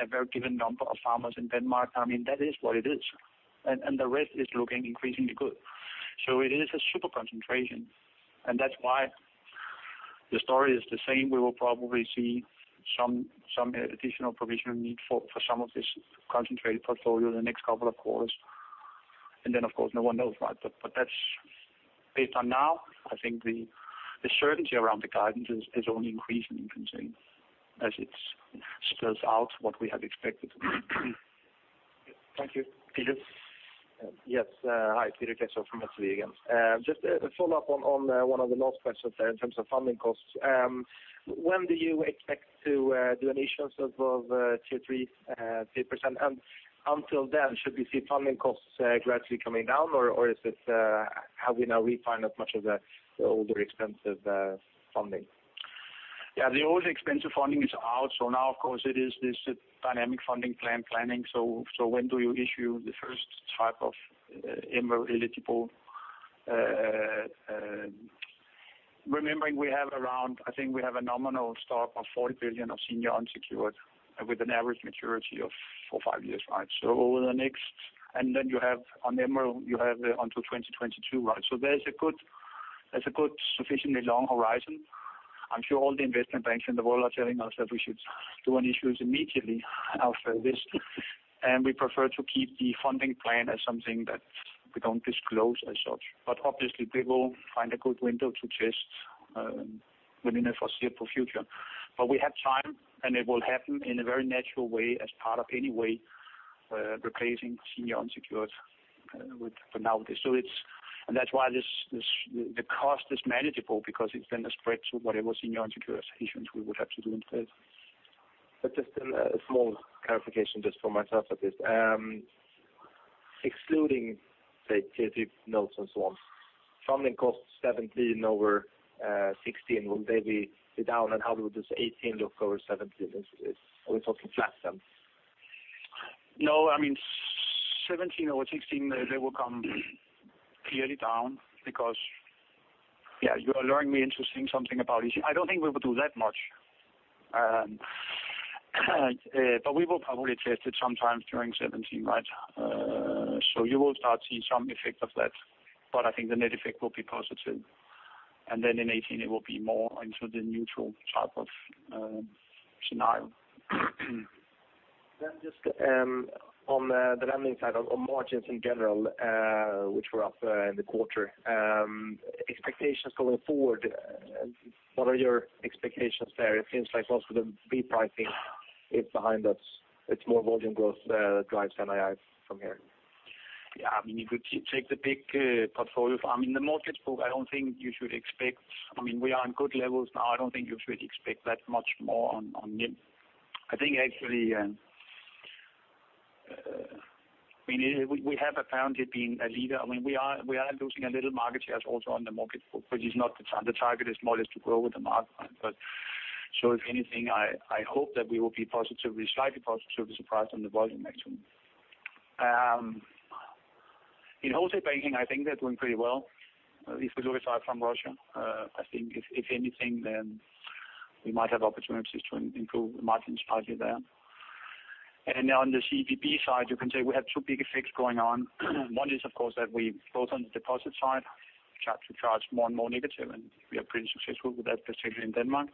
Speaker 6: a very given number of farmers in Denmark. That is what it is. The rest is looking increasingly good. It is a super concentration, and that's why the story is the same. We will probably see some additional provision need for some of this concentrated portfolio in the next couple of quarters. Then, of course, no one knows. That's based on now, I think the certainty around the guidance is only increasing in concern as it spells out what we had expected.
Speaker 7: Thank you.
Speaker 6: Peter.
Speaker 8: Yes. Hi, Peter Kessiakoff from SEB again. Just a follow-up on one of the last questions there in terms of funding costs. When do you expect to do an issuance of Tier 3? Until then, should we see funding costs gradually coming down, or is it having now refined as much of the older, expensive funding?
Speaker 6: Yeah, the older expensive funding is out. Now, of course, it is this dynamic funding plan planning. When do you issue the first type of MREL-eligible? Remembering we have around, I think we have a nominal stock of 40 billion of senior unsecured with an average maturity of four, five years. Then you have on MREL, you have until 2022. There's a good sufficiently long horizon. I'm sure all the investment banks in the world are telling us that we should do an issuance immediately after this. We prefer to keep the funding plan as something that we don't disclose as such. Obviously, we will find a good window to test within the foreseeable future. We have time, and it will happen in a very natural way as part of any way replacing senior unsecured for now. That's why the cost is manageable because it's then a spread to whatever senior unsecured issuance we would have to do instead.
Speaker 8: Just a small clarification just for myself of this. Excluding, say, Tier 3 notes and so on, funding costs 2017 over 2016, will they be down and how will this 2018 look over 2017? Are we talking flat?
Speaker 6: No, 2017 over 2016, they will come clearly down because you are luring me into saying something about issue. I don't think we will do that much. We will probably test it sometime during 2017. You will start seeing some effect of that, but I think the net effect will be positive. In 2018, it will be more into the neutral type of scenario.
Speaker 8: Just on the lending side, on margins in general, which were up in the quarter. Expectations going forward, what are your expectations there? It seems like most of the re-pricing is behind us. It's more volume growth that drives NII from here.
Speaker 6: If you take the big portfolio, in the mortgage book, I don't think you should expect, we are on good levels now. I don't think you should expect that much more on NIM. I think actually, we have apparently been a leader. We are losing a little market share also on the mortgage book, which is not the target. The target is more or less to grow with the market. If anything, I hope that we will be slightly positively surprised on the volume next year. In Wholesale Banking, I think they're doing pretty well. If we look aside from Russia, I think if anything, we might have opportunities to improve the margins slightly there. On the C&BB side, you can say we have two big effects going on. One is, of course, that we, both on the deposit side, start to charge more and more negative, and we are pretty successful with that, especially in Denmark.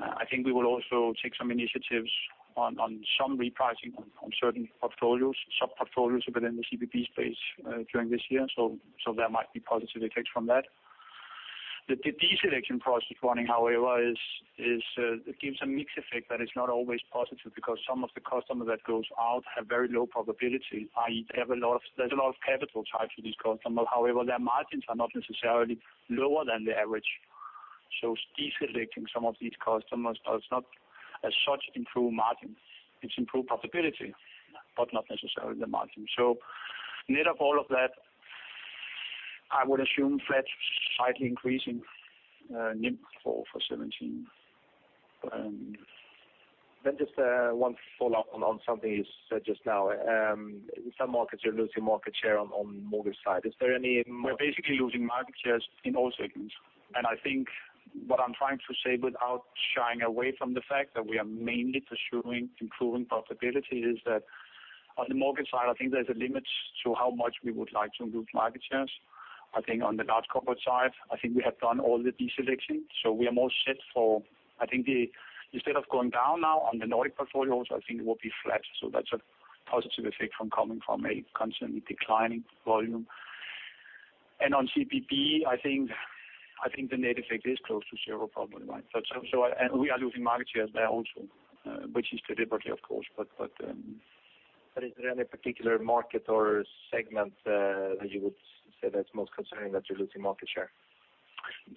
Speaker 6: I think we will also take some initiatives on some repricing on certain portfolios, sub-portfolios within the C&BB space during this year. There might be positive effects from that. The deselection process running, however, it gives a mixed effect that is not always positive because some of the customers that go out have very low probability, i.e., there's a lot of capital tied to these customers. However, their margins are not necessarily lower than the average. Deselecting some of these customers does not as such improve margin. It's improved profitability, but not necessarily the margin. Net of all of that, I would assume flat to slightly increasing NIM for 2017.
Speaker 8: Just one follow-up on something you said just now. In some markets, you're losing market share on mortgage side. Is there any-
Speaker 6: We're basically losing market shares in all segments. I think what I'm trying to say, without shying away from the fact that we are mainly pursuing improving profitability, is that on the mortgage side, I think there's a limit to how much we would like to improve market shares. I think on the large corporate side, I think we have done all the deselection, so we are more set for, I think instead of going down now on the Nordic portfolios, I think it will be flat. That's a positive effect from coming from a constantly declining volume. On C&BB, I think the net effect is close to zero, probably. We are losing market shares there also, which is deliberately, of course.
Speaker 8: Is there any particular market or segment that you would say that's most concerning that you're losing market share?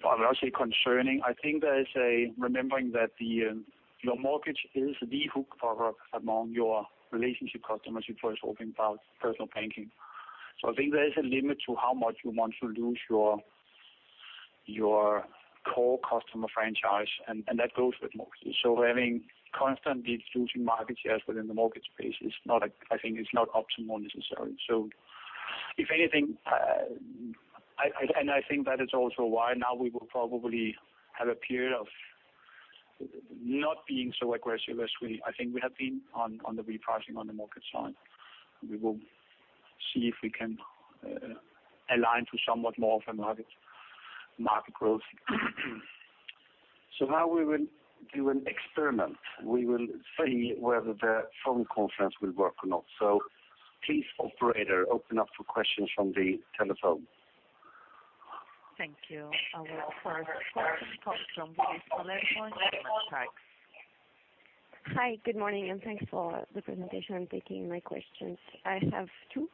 Speaker 6: I would not say concerning. I think there is a remembering that your mortgage is the hook product among your relationship customers. You first talking about personal banking. I think there is a limit to how much you want to lose your core customer franchise, and that goes with mortgages. Having constantly losing market shares within the mortgage space is not optimal, necessarily. I think that is also why now we will probably have a period of not being so aggressive as we have been on the repricing on the mortgage side. We will see if we can align to somewhat more of a market growth. Now we will do an experiment. We will see whether the phone conference will work or not. Please, operator, open up for questions from the telephone.
Speaker 9: Thank you. Our first question comes from the analyst line.
Speaker 10: Hi, good morning, and thanks for the presentation and taking my questions. I have two.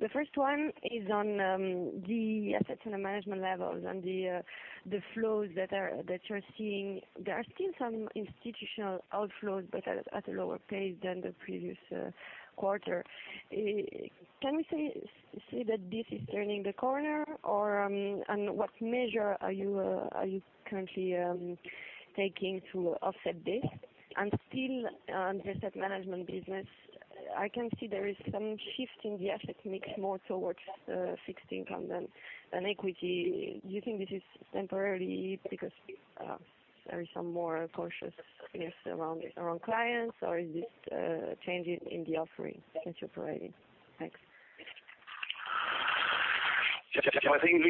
Speaker 10: The first one is on the assets under management levels and the flows that you're seeing. There are still some institutional outflows but at a lower pace than the previous quarter. Can we say that this is turning the corner? What measure are you currently taking to offset this? Still on the asset management business, I can see there is some shift in the asset mix more towards fixed income than equity. Do you think this is temporarily because there is some more cautiousness around clients, or is this a change in the offering? Thanks.
Speaker 6: I think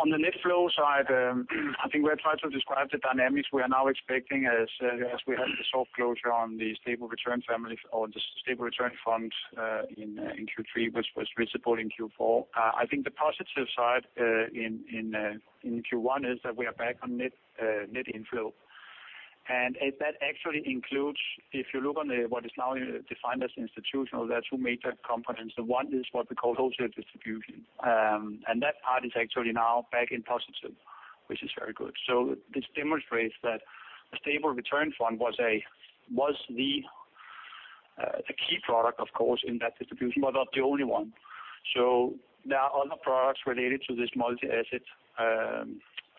Speaker 6: on the net flow side, I think we have tried to describe the dynamics we are now expecting as we had the soft closure on the Stable Return families or the Stable Return Funds in Q3, which was visible in Q4. I think the positive side in Q1 is that we are back on net inflow. That actually includes, if you look on what is now defined as institutional, there are two major components. One is what we call wholesale distribution. That part is actually now back in positive, which is very good. This demonstrates that a Stable Return Fund was the key product, of course, in that distribution, but not the only one. There are other products related to this multi-asset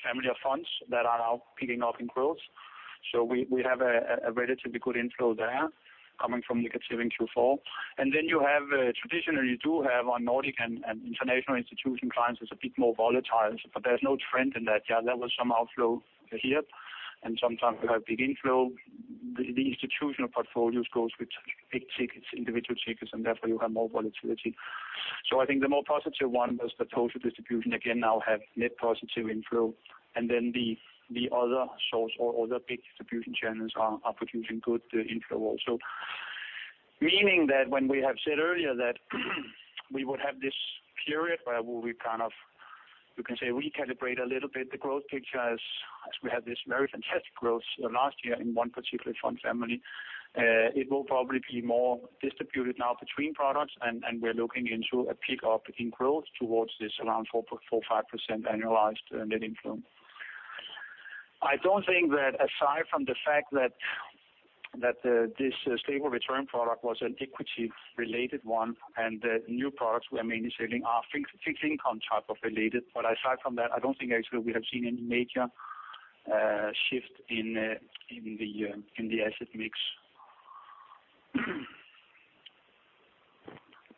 Speaker 6: family of funds that are now picking up in growth. We have a relatively good inflow there coming from negative in Q4. Traditionally you do have on Nordic and international institution clients is a bit more volatile, but there is no trend in that. There was some outflow here, and sometimes we have big inflow. The institutional portfolios goes with big tickets, individual tickets, and therefore you have more volatility. I think the more positive one was the total distribution, again now have net positive inflow. The other source or other big distribution channels are producing good inflow also. Meaning that when we have said earlier that we would have this period where we kind of, you can say, recalibrate a little bit the growth picture as we had this very fantastic growth last year in one particular fund family. It will probably be more distributed now between products, and we are looking into a pick-up in growth towards this around 4.45% annualized net inflow. I do not think that aside from the fact that this Stable Return product was an equity-related one, and the new products we are mainly selling are fixed income type of related. Aside from that, I do not think actually we have seen any major shift in the asset mix.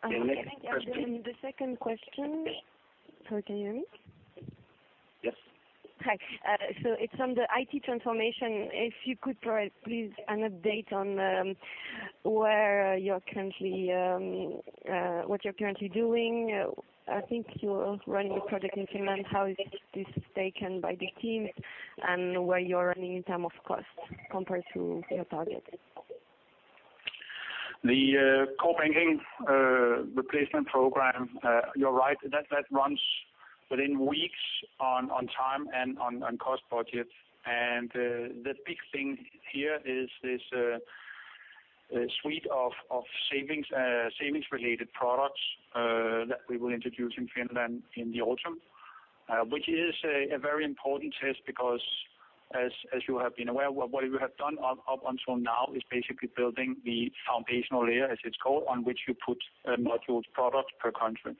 Speaker 10: The second question. Sorry, can you hear me?
Speaker 6: Yes.
Speaker 10: Hi. It is on the IT transformation. If you could provide, please, an update on what you are currently doing. I think you are running a project in Finland. How is this taken by the team, and where you are running in terms of cost compared to your target?
Speaker 6: The core banking replacement program, you're right. That runs within weeks on time and on cost budget. The big thing here is this suite of savings-related products that we will introduce in Finland in the autumn, which is a very important test because as you have been aware, what we have done up until now is basically building the foundational layer, as it's called, on which you put a module product per country.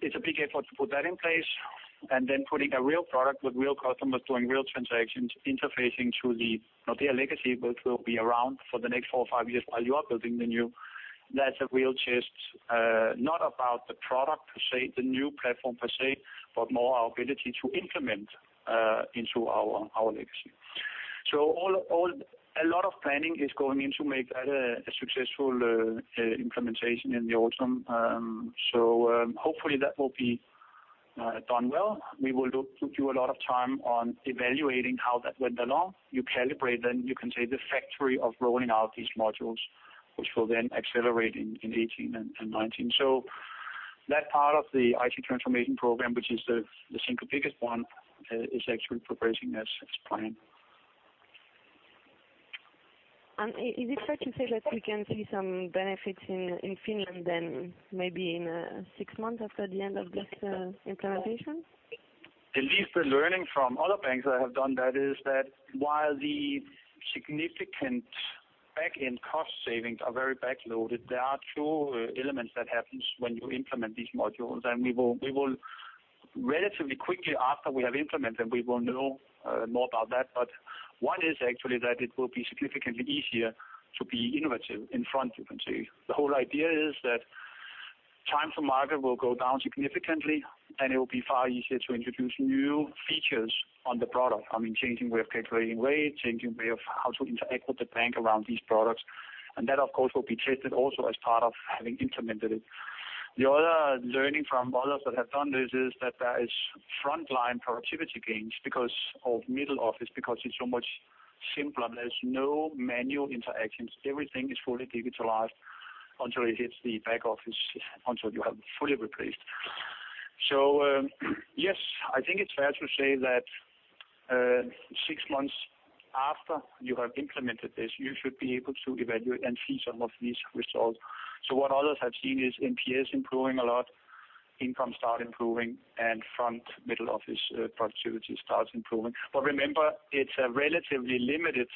Speaker 6: It's a big effort to put that in place, then putting a real product with real customers doing real transactions interfacing through the Nordea legacy, which will be around for the next four or five years while you are building the new. That's a real test, not about the product per se, the new platform per se, but more our ability to implement into our legacy. A lot of planning is going in to make that a successful implementation in the autumn. Hopefully that will be done well. We will do a lot of time on evaluating how that went along. You calibrate, then you can say the factory of rolling out these modules, which will then accelerate in 2018 and 2019. That part of the IT transformation program, which is the single biggest one, is actually progressing as planned.
Speaker 10: Is it fair to say that we can see some benefits in Finland then maybe in six months after the end of this implementation?
Speaker 6: At least the learning from other banks that have done that is that while the significant back-end cost savings are very back-loaded, there are two elements that happens when you implement these modules, and we will relatively quickly after we have implemented them, we will know more about that. One is actually that it will be significantly easier to be innovative in front, you can say. The whole idea is that time to market will go down significantly, and it will be far easier to introduce new features on the product. I mean, changing way of calculating rate, changing way of how to interact with the bank around these products. That, of course, will be tested also as part of having implemented it. The other learning from others that have done this is that there is front-line productivity gains because of middle office, because it's so much simpler and there's no manual interactions. Everything is fully digitalized until it hits the back office, until you have fully replaced. Yes, I think it's fair to say that six months after you have implemented this, you should be able to evaluate and see some of these results. What others have seen is NPS improving a lot, income start improving, and front middle office productivity starts improving. Remember, it's a relatively limited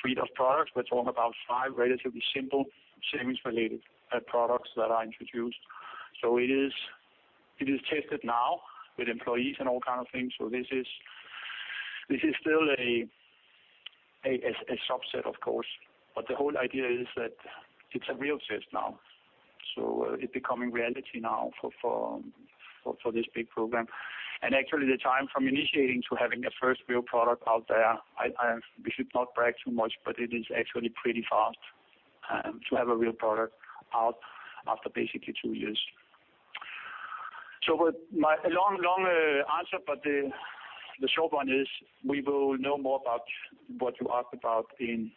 Speaker 6: suite of products. We're talking about five relatively simple savings-related products that are introduced. It is tested now with employees and all kind of things. This is still a subset, of course, but the whole idea is that it's a real test now. It's becoming reality now for this big program. Actually, the time from initiating to having a first real product out there, we should not brag too much, but it is actually pretty fast to have a real product out after basically two years. A long answer, but the short one is we will know more about what you asked about in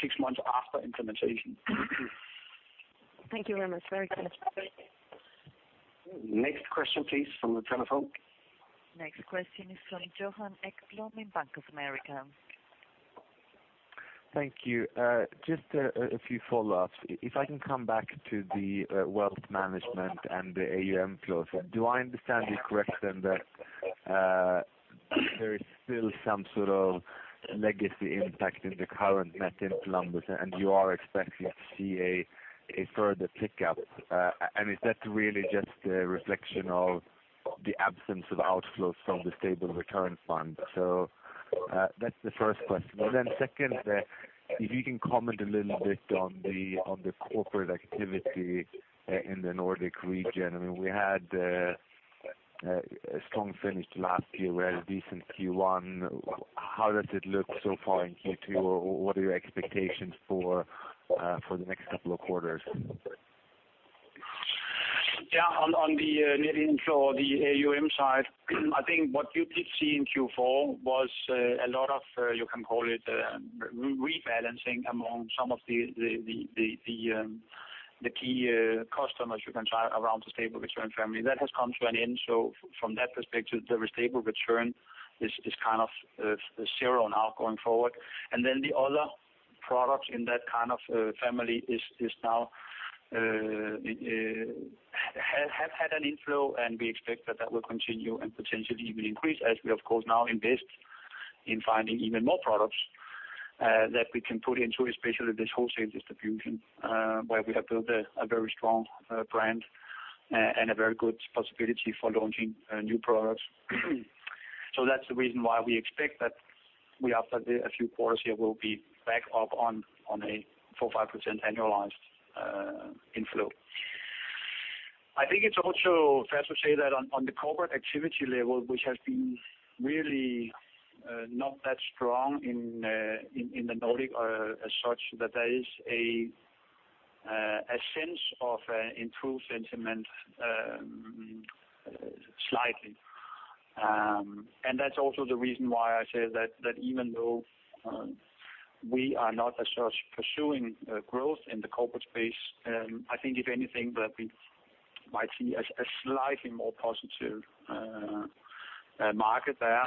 Speaker 6: six months after implementation.
Speaker 10: Thank you very much. Very clear.
Speaker 4: Next question, please, from the telephone.
Speaker 9: Next question is from Johan Ekblom in Bank of America.
Speaker 11: Thank you. Just a few follow-ups. If I can come back to the wealth management and the AUM flows. Do I understand you correctly then that there is still some sort of legacy impact in the current net inflows, and you are expecting to see a further pickup? Is that really just a reflection of the absence of outflows from the Stable Return Fund? That's the first question. Then second, if you can comment a little bit on the corporate activity in the Nordic region. I mean, we had a strong finish to last year, we had a decent Q1. How does it look so far in Q2? What are your expectations for the next couple of quarters?
Speaker 6: On the net inflow, the AUM side, I think what you did see in Q4 was a lot of, you can call it, rebalancing among some of the key customers you can try around the Stable Return family. That has come to an end. From that perspective, the Stable Return is kind of zero now going forward. Then the other products in that kind of family have had an inflow, and we expect that that will continue and potentially even increase as we, of course, now invest in finding even more products that we can put into, especially this wholesale distribution, where we have built a very strong brand and a very good possibility for launching new products. That's the reason why we expect that after a few quarters here, we'll be back up on a 4%, 5% annualized inflow. I think it's also fair to say that on the corporate activity level, which has been really not that strong in the Nordic as such, that there is a sense of improved sentiment slightly. That's also the reason why I say that even though we are not as such pursuing growth in the corporate space, I think if anything, that we might see a slightly more positive market there.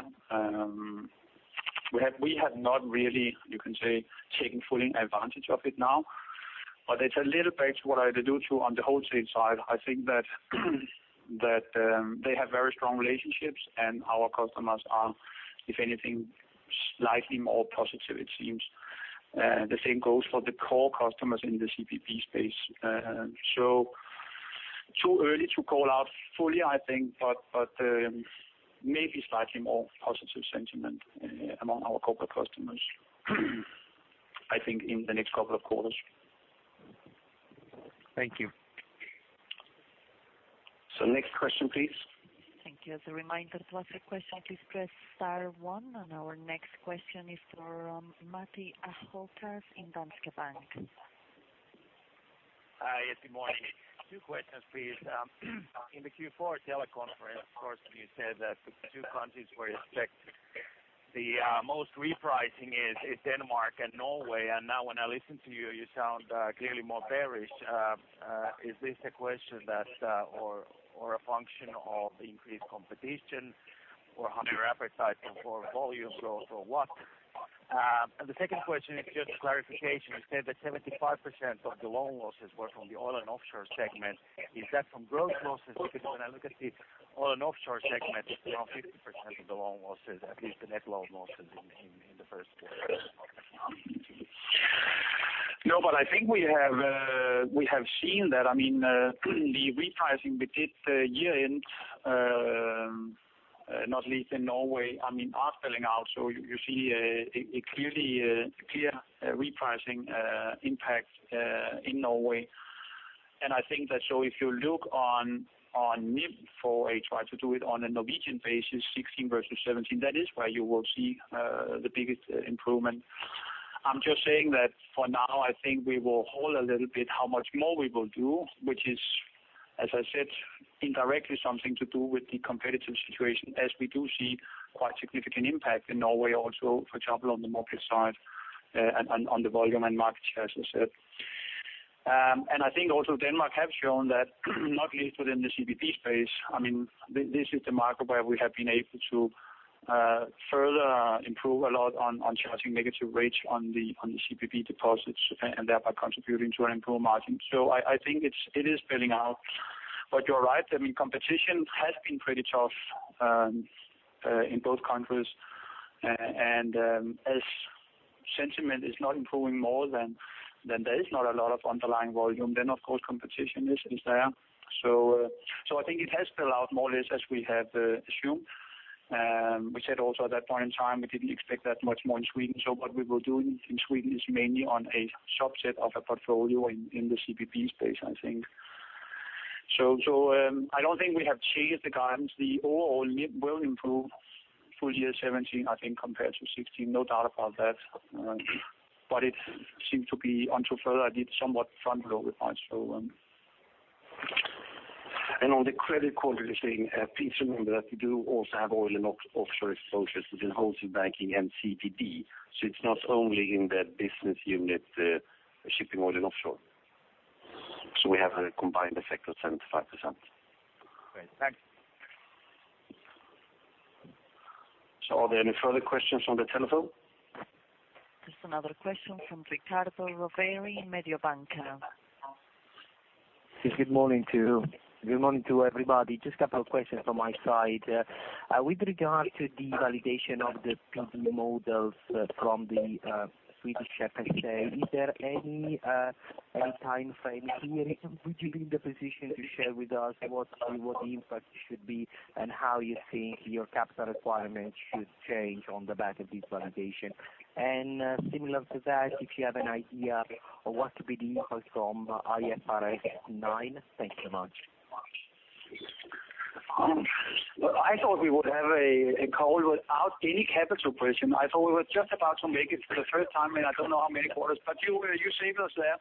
Speaker 6: We have not really, you can say, taken full advantage of it now, but it's a little bit what I allude to on the wholesale side. I think that they have very strong relationships, and our customers are, if anything, slightly more positive, it seems. The same goes for the core customers in the C&BB space. too early to call out fully, I think, but maybe slightly more positive sentiment among our corporate customers, I think in the next couple of quarters.
Speaker 11: Thank you.
Speaker 4: Next question, please.
Speaker 9: Thank you. As a reminder, to ask a question, please press star one, and our next question is from Matti Ahokas in Danske Bank.
Speaker 12: Hi. Yes, good morning. Two questions, please. In the Q4 teleconference, of course, when you said that the two countries where you expect the most repricing is in Denmark and Norway, now when I listen to you sound clearly more bearish. Is this a question that, or a function of increased competition or higher appetite for volume growth, or what? The second question is just clarification. You said that 75% of the loan losses were from the oil and offshore segment. Is that from growth losses? Because when I look at the oil and offshore segment, it's around 50% of the loan losses, at least the net loan losses in the first quarter.
Speaker 6: No, I think we have seen that. The repricing we did year-end, not least in Norway, are spilling out. You see a clear repricing impact in Norway. I think that if you look on NIM for a try to do it on a Norwegian basis, 2016 versus 2017, that is where you will see the biggest improvement. I'm just saying that for now, I think we will hold a little bit how much more we will do, which is, as I said, indirectly something to do with the competitive situation as we do see quite significant impact in Norway also, for example, on the market side and on the volume and market share, as I said. I think also Denmark have shown that, not least within the C&BB space. This is the market where we have been able to further improve a lot on charging negative rates on the C&BB deposits and thereby contributing to our improved margin. I think it is spilling out. You're right, competition has been pretty tough in both countries, and as sentiment is not improving more than there is not a lot of underlying volume, of course, competition is there. I think it has spilled out more or less as we have assumed. We said also at that point in time, we didn't expect that much more in Sweden. What we were doing in Sweden is mainly on a subset of a portfolio in the C&BB space, I think. I don't think we have changed the guidance. The overall NIM will improve full year 2017, I think, compared to 2016. No doubt about that. It seems to be until further, I did somewhat front-load the price. On the credit quality thing, please remember that we do also have oil and offshore exposures within Wholesale Banking and C&BB. It's not only in that business unit, shipping, oil, and offshore. We have a combined effect of 75%.
Speaker 12: Great. Thanks.
Speaker 6: Are there any further questions on the telephone?
Speaker 9: Just another question from Riccardo Rovere, Mediobanca.
Speaker 13: Yes, good morning to you. Good morning to everybody. Just couple of questions from my side. With regard to the validation of the PD models from the Swedish FSA, is there any timeframe here? Would you be in the position to share with us what the impact should be and how you think your capital requirements should change on the back of this validation? Similar to that, if you have an idea of what could be the impact from IFRS 9. Thank you much.
Speaker 6: Well, I thought we would have a call without any capital question. I thought we were just about to make it for the first time in I don't know how many quarters, but you saved us there.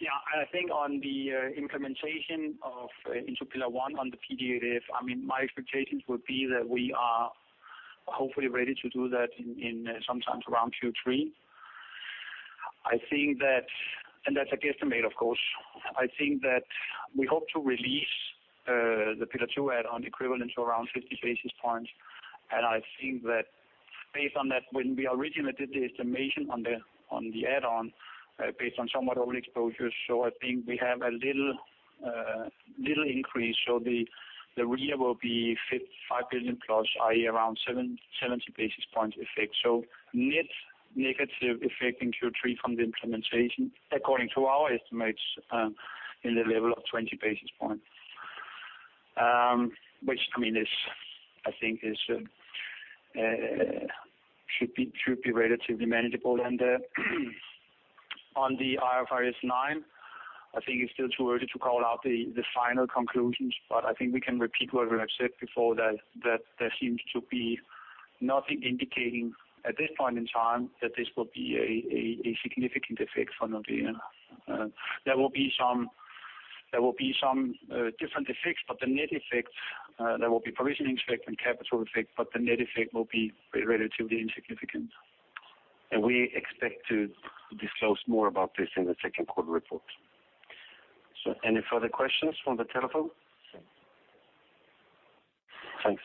Speaker 6: Yeah, I think on the implementation of into Pillar 1 on the PD/LGD, my expectations would be that we are hopefully ready to do that in sometime around Q3. That's a guesstimate, of course. I think that we hope to release the Pillar 2 add-on equivalent to around 50 basis points. I think that based on that, when we originally did the estimation on the add-on based on somewhat old exposures, so I think we have a little increase. So the real will be 5 billion plus, i.e., around 70 basis points effect. Net negative effect in Q3 from the implementation according to our estimates in the level of 20 basis points, which I think should be relatively manageable. On the IFRS 9, I think it's still too early to call out the final conclusions, but I think we can repeat what we have said before that there seems to be nothing indicating at this point in time that this will be a significant effect for Nordea. There will be some different effects, but the net effect, there will be provisioning effect and capital effect, but the net effect will be relatively insignificant. We expect to disclose more about this in the second quarter report. Any further questions from the telephone? Thanks.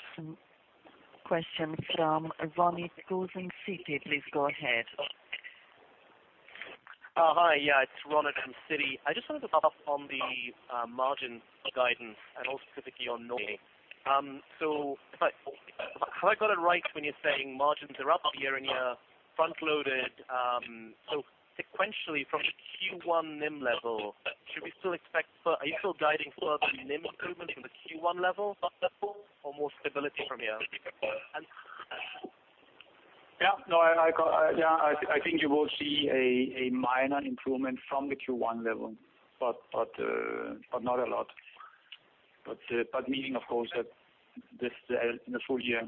Speaker 9: Question from Ronit Ghose from Citi. Please go ahead.
Speaker 14: Hi. Yeah, it's Ronit from Citi. I just wanted to follow up on the margin guidance and also specifically on Norway. Have I got it right when you're saying margins are up year-on-year, front-loaded? Sequentially from the Q1 NIM level, are you still guiding further NIM improvement from the Q1 level or more stability from here?
Speaker 6: Yeah, I think you will see a minor improvement from the Q1 level, but not a lot. Meaning, of course, that the full year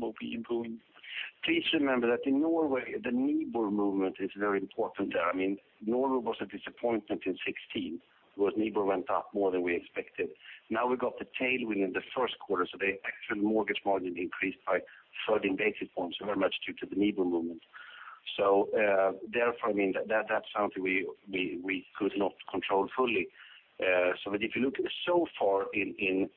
Speaker 6: will be improving. Please remember that in Norway, the NIBOR movement is very important there. Norway was a disappointment in 2016 because NIBOR went up more than we expected. Now we've got the tailwind in the first quarter, so the actual mortgage margin increased by 30 basis points, very much due to the NIBOR movement. Therefore, that's something we could not control fully. If you look so far in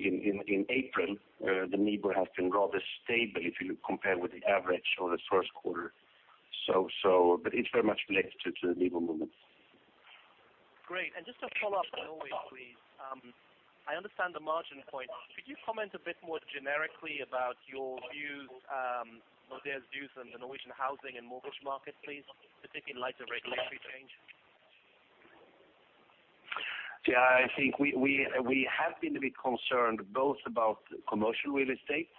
Speaker 6: April, the NIBOR has been rather stable if you compare with the average or the first quarter. It's very much related to the NIBOR movement.
Speaker 14: Great. Just to follow up on Norway, please. I understand the margin point. Could you comment a bit more generically about Nordea's views on the Norwegian housing and mortgage market, please, particularly in light of regulatory change?
Speaker 6: Yeah. I think we have been a bit concerned both about commercial real estate.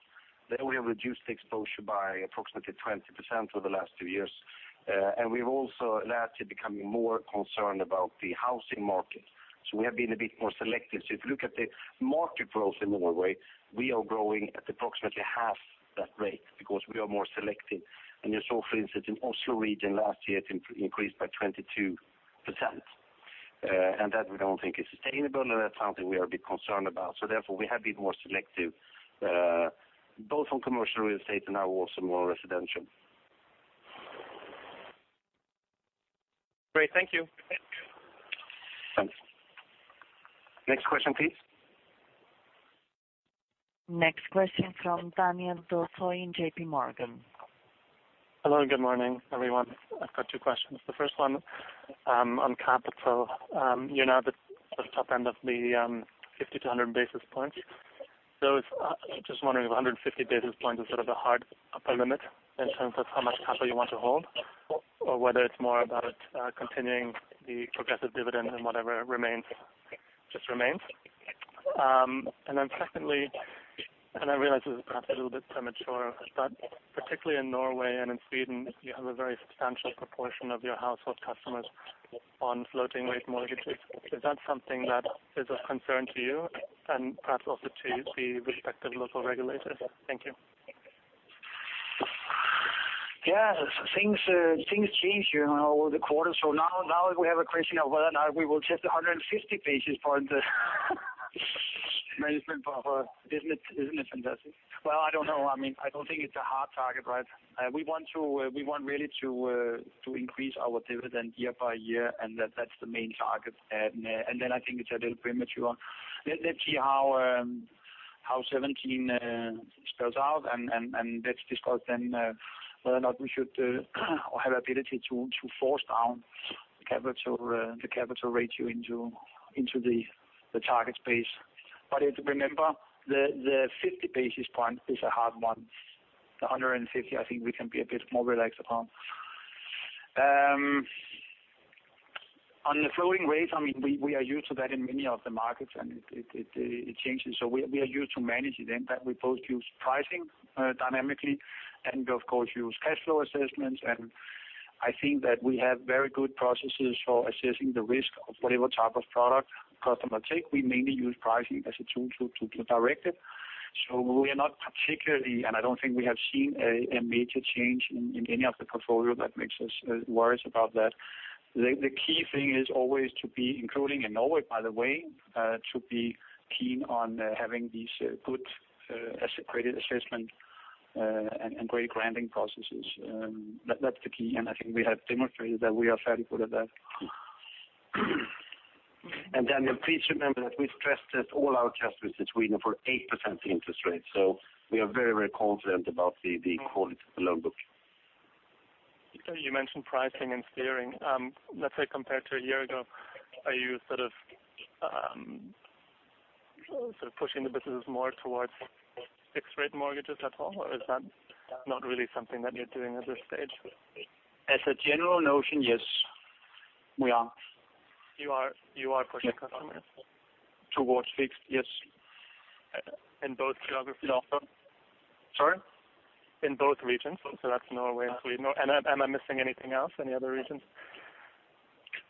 Speaker 6: There we have reduced the exposure by approximately 20% over the last two years. We've also lately becoming more concerned about the housing market. We have been a bit more selective. If you look at the market growth in Norway, we are growing at approximately half that rate because we are more selective. You saw, for instance, in Oslo region last year, it increased by 22%. That we don't think is sustainable, and that's something we are a bit concerned about. Therefore, we have been more selective, both on commercial real estate and now also more residential.
Speaker 14: Great. Thank you.
Speaker 6: Thanks. Next question, please.
Speaker 9: Next question from Daniel Dochy in JP Morgan.
Speaker 15: Hello, good morning, everyone. I've got two questions. The first one on capital. You're now at the top end of the 50-100 basis points. Just wondering if 150 basis points is sort of a hard upper limit in terms of how much capital you want to hold, or whether it's more about continuing the progressive dividend and whatever remains, just remains. Secondly, I realize this is perhaps a little bit premature, but particularly in Norway and in Sweden, you have a very substantial proportion of your household customers on floating rate mortgages. Is that something that is of concern to you and perhaps also to the respective local regulators? Thank you.
Speaker 6: Yes. Things change over the quarters. Now we have a question of whether or not we will test 150 basis points management buffer. Isn't it fantastic. Well, I don't know. I don't think it's a hard target. We want really to increase our dividend year by year, that's the main target. Then I think it's a little premature. Let's see how 2017 spells out, let's discuss then whether or not we should have ability to force down the capital ratio into the target space. Remember, the 50 basis point is a hard one. The 150, I think we can be a bit more relaxed upon. On the floating rates, we are used to that in many of the markets, it changes. We are used to managing them, that we both use pricing dynamically and we of course use cash flow assessments. I think that we have very good processes for assessing the risk of whatever type of product customer take. We mainly use pricing as a tool to direct it. We are not particularly, and I don't think we have seen a major change in any of the portfolio that makes us worries about that. The key thing is always to be, including in Norway, by the way, to be keen on having these good credit assessment, and credit granting processes. That's the key, and I think we have demonstrated that we are fairly good at that. Daniel, please remember that we've stress-tested all our customers between the 8% interest rate. We are very confident about the quality of the loan book.
Speaker 15: You mentioned pricing and steering. Let's say compared to a year ago, are you pushing the businesses more towards fixed-rate mortgages at all, or is that not really something that you're doing at this stage?
Speaker 6: As a general notion, yes. We are.
Speaker 15: You are pushing customers towards fixed?
Speaker 6: Yes.
Speaker 15: In both geographies also?
Speaker 6: Sorry?
Speaker 15: In both regions, so that's Norway and Sweden. Am I missing anything else? Any other regions?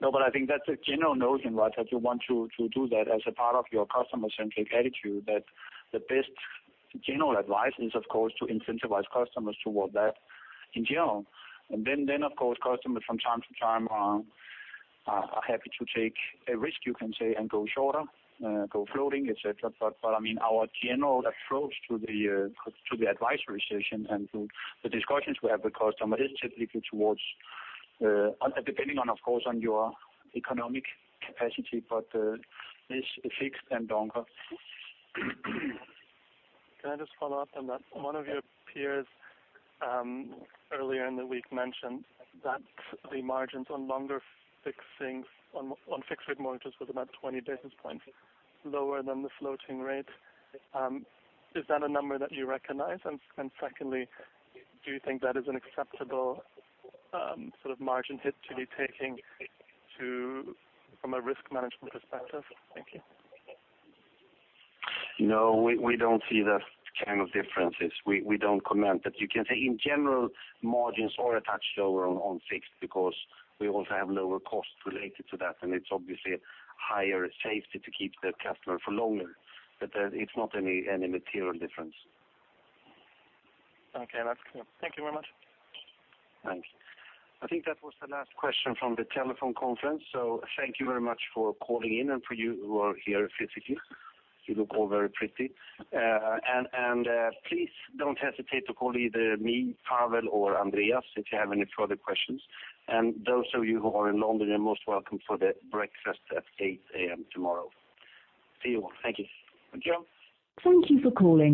Speaker 6: No, I think that's a general notion that you want to do that as a part of your customer-centric attitude, that the best general advice is, of course, to incentivize customers toward that in general. Then, of course, customers from time to time are happy to take a risk, you can say, and go shorter, go floating, et cetera. Our general approach to the advisory session and to the discussions we have with customers is typically towards, depending on, of course, on your economic capacity, but it's fixed and longer.
Speaker 15: Can I just follow up on that? One of your peers earlier in the week mentioned that the margins on fixed-rate mortgages was about 20 basis points lower than the floating rate. Is that a number that you recognize? Secondly, do you think that is an acceptable margin hit to be taking from a risk management perspective? Thank you.
Speaker 6: No, we don't see that kind of differences. We don't comment. You can say in general, margins are a touch lower on fixed because we also have lower costs related to that, and it's obviously higher safety to keep the customer for longer. It's not any material difference.
Speaker 15: Okay, that's clear. Thank you very much.
Speaker 6: Thanks. I think that was the last question from the telephone conference, thank you very much for calling in and for you who are here physically. You look all very pretty. Please don't hesitate to call either me, Pawel, or Andreas if you have any further questions. Those of you who are in London, you're most welcome for the breakfast at 8:00 A.M. tomorrow. See you all. Thank you.
Speaker 9: Thank you for calling.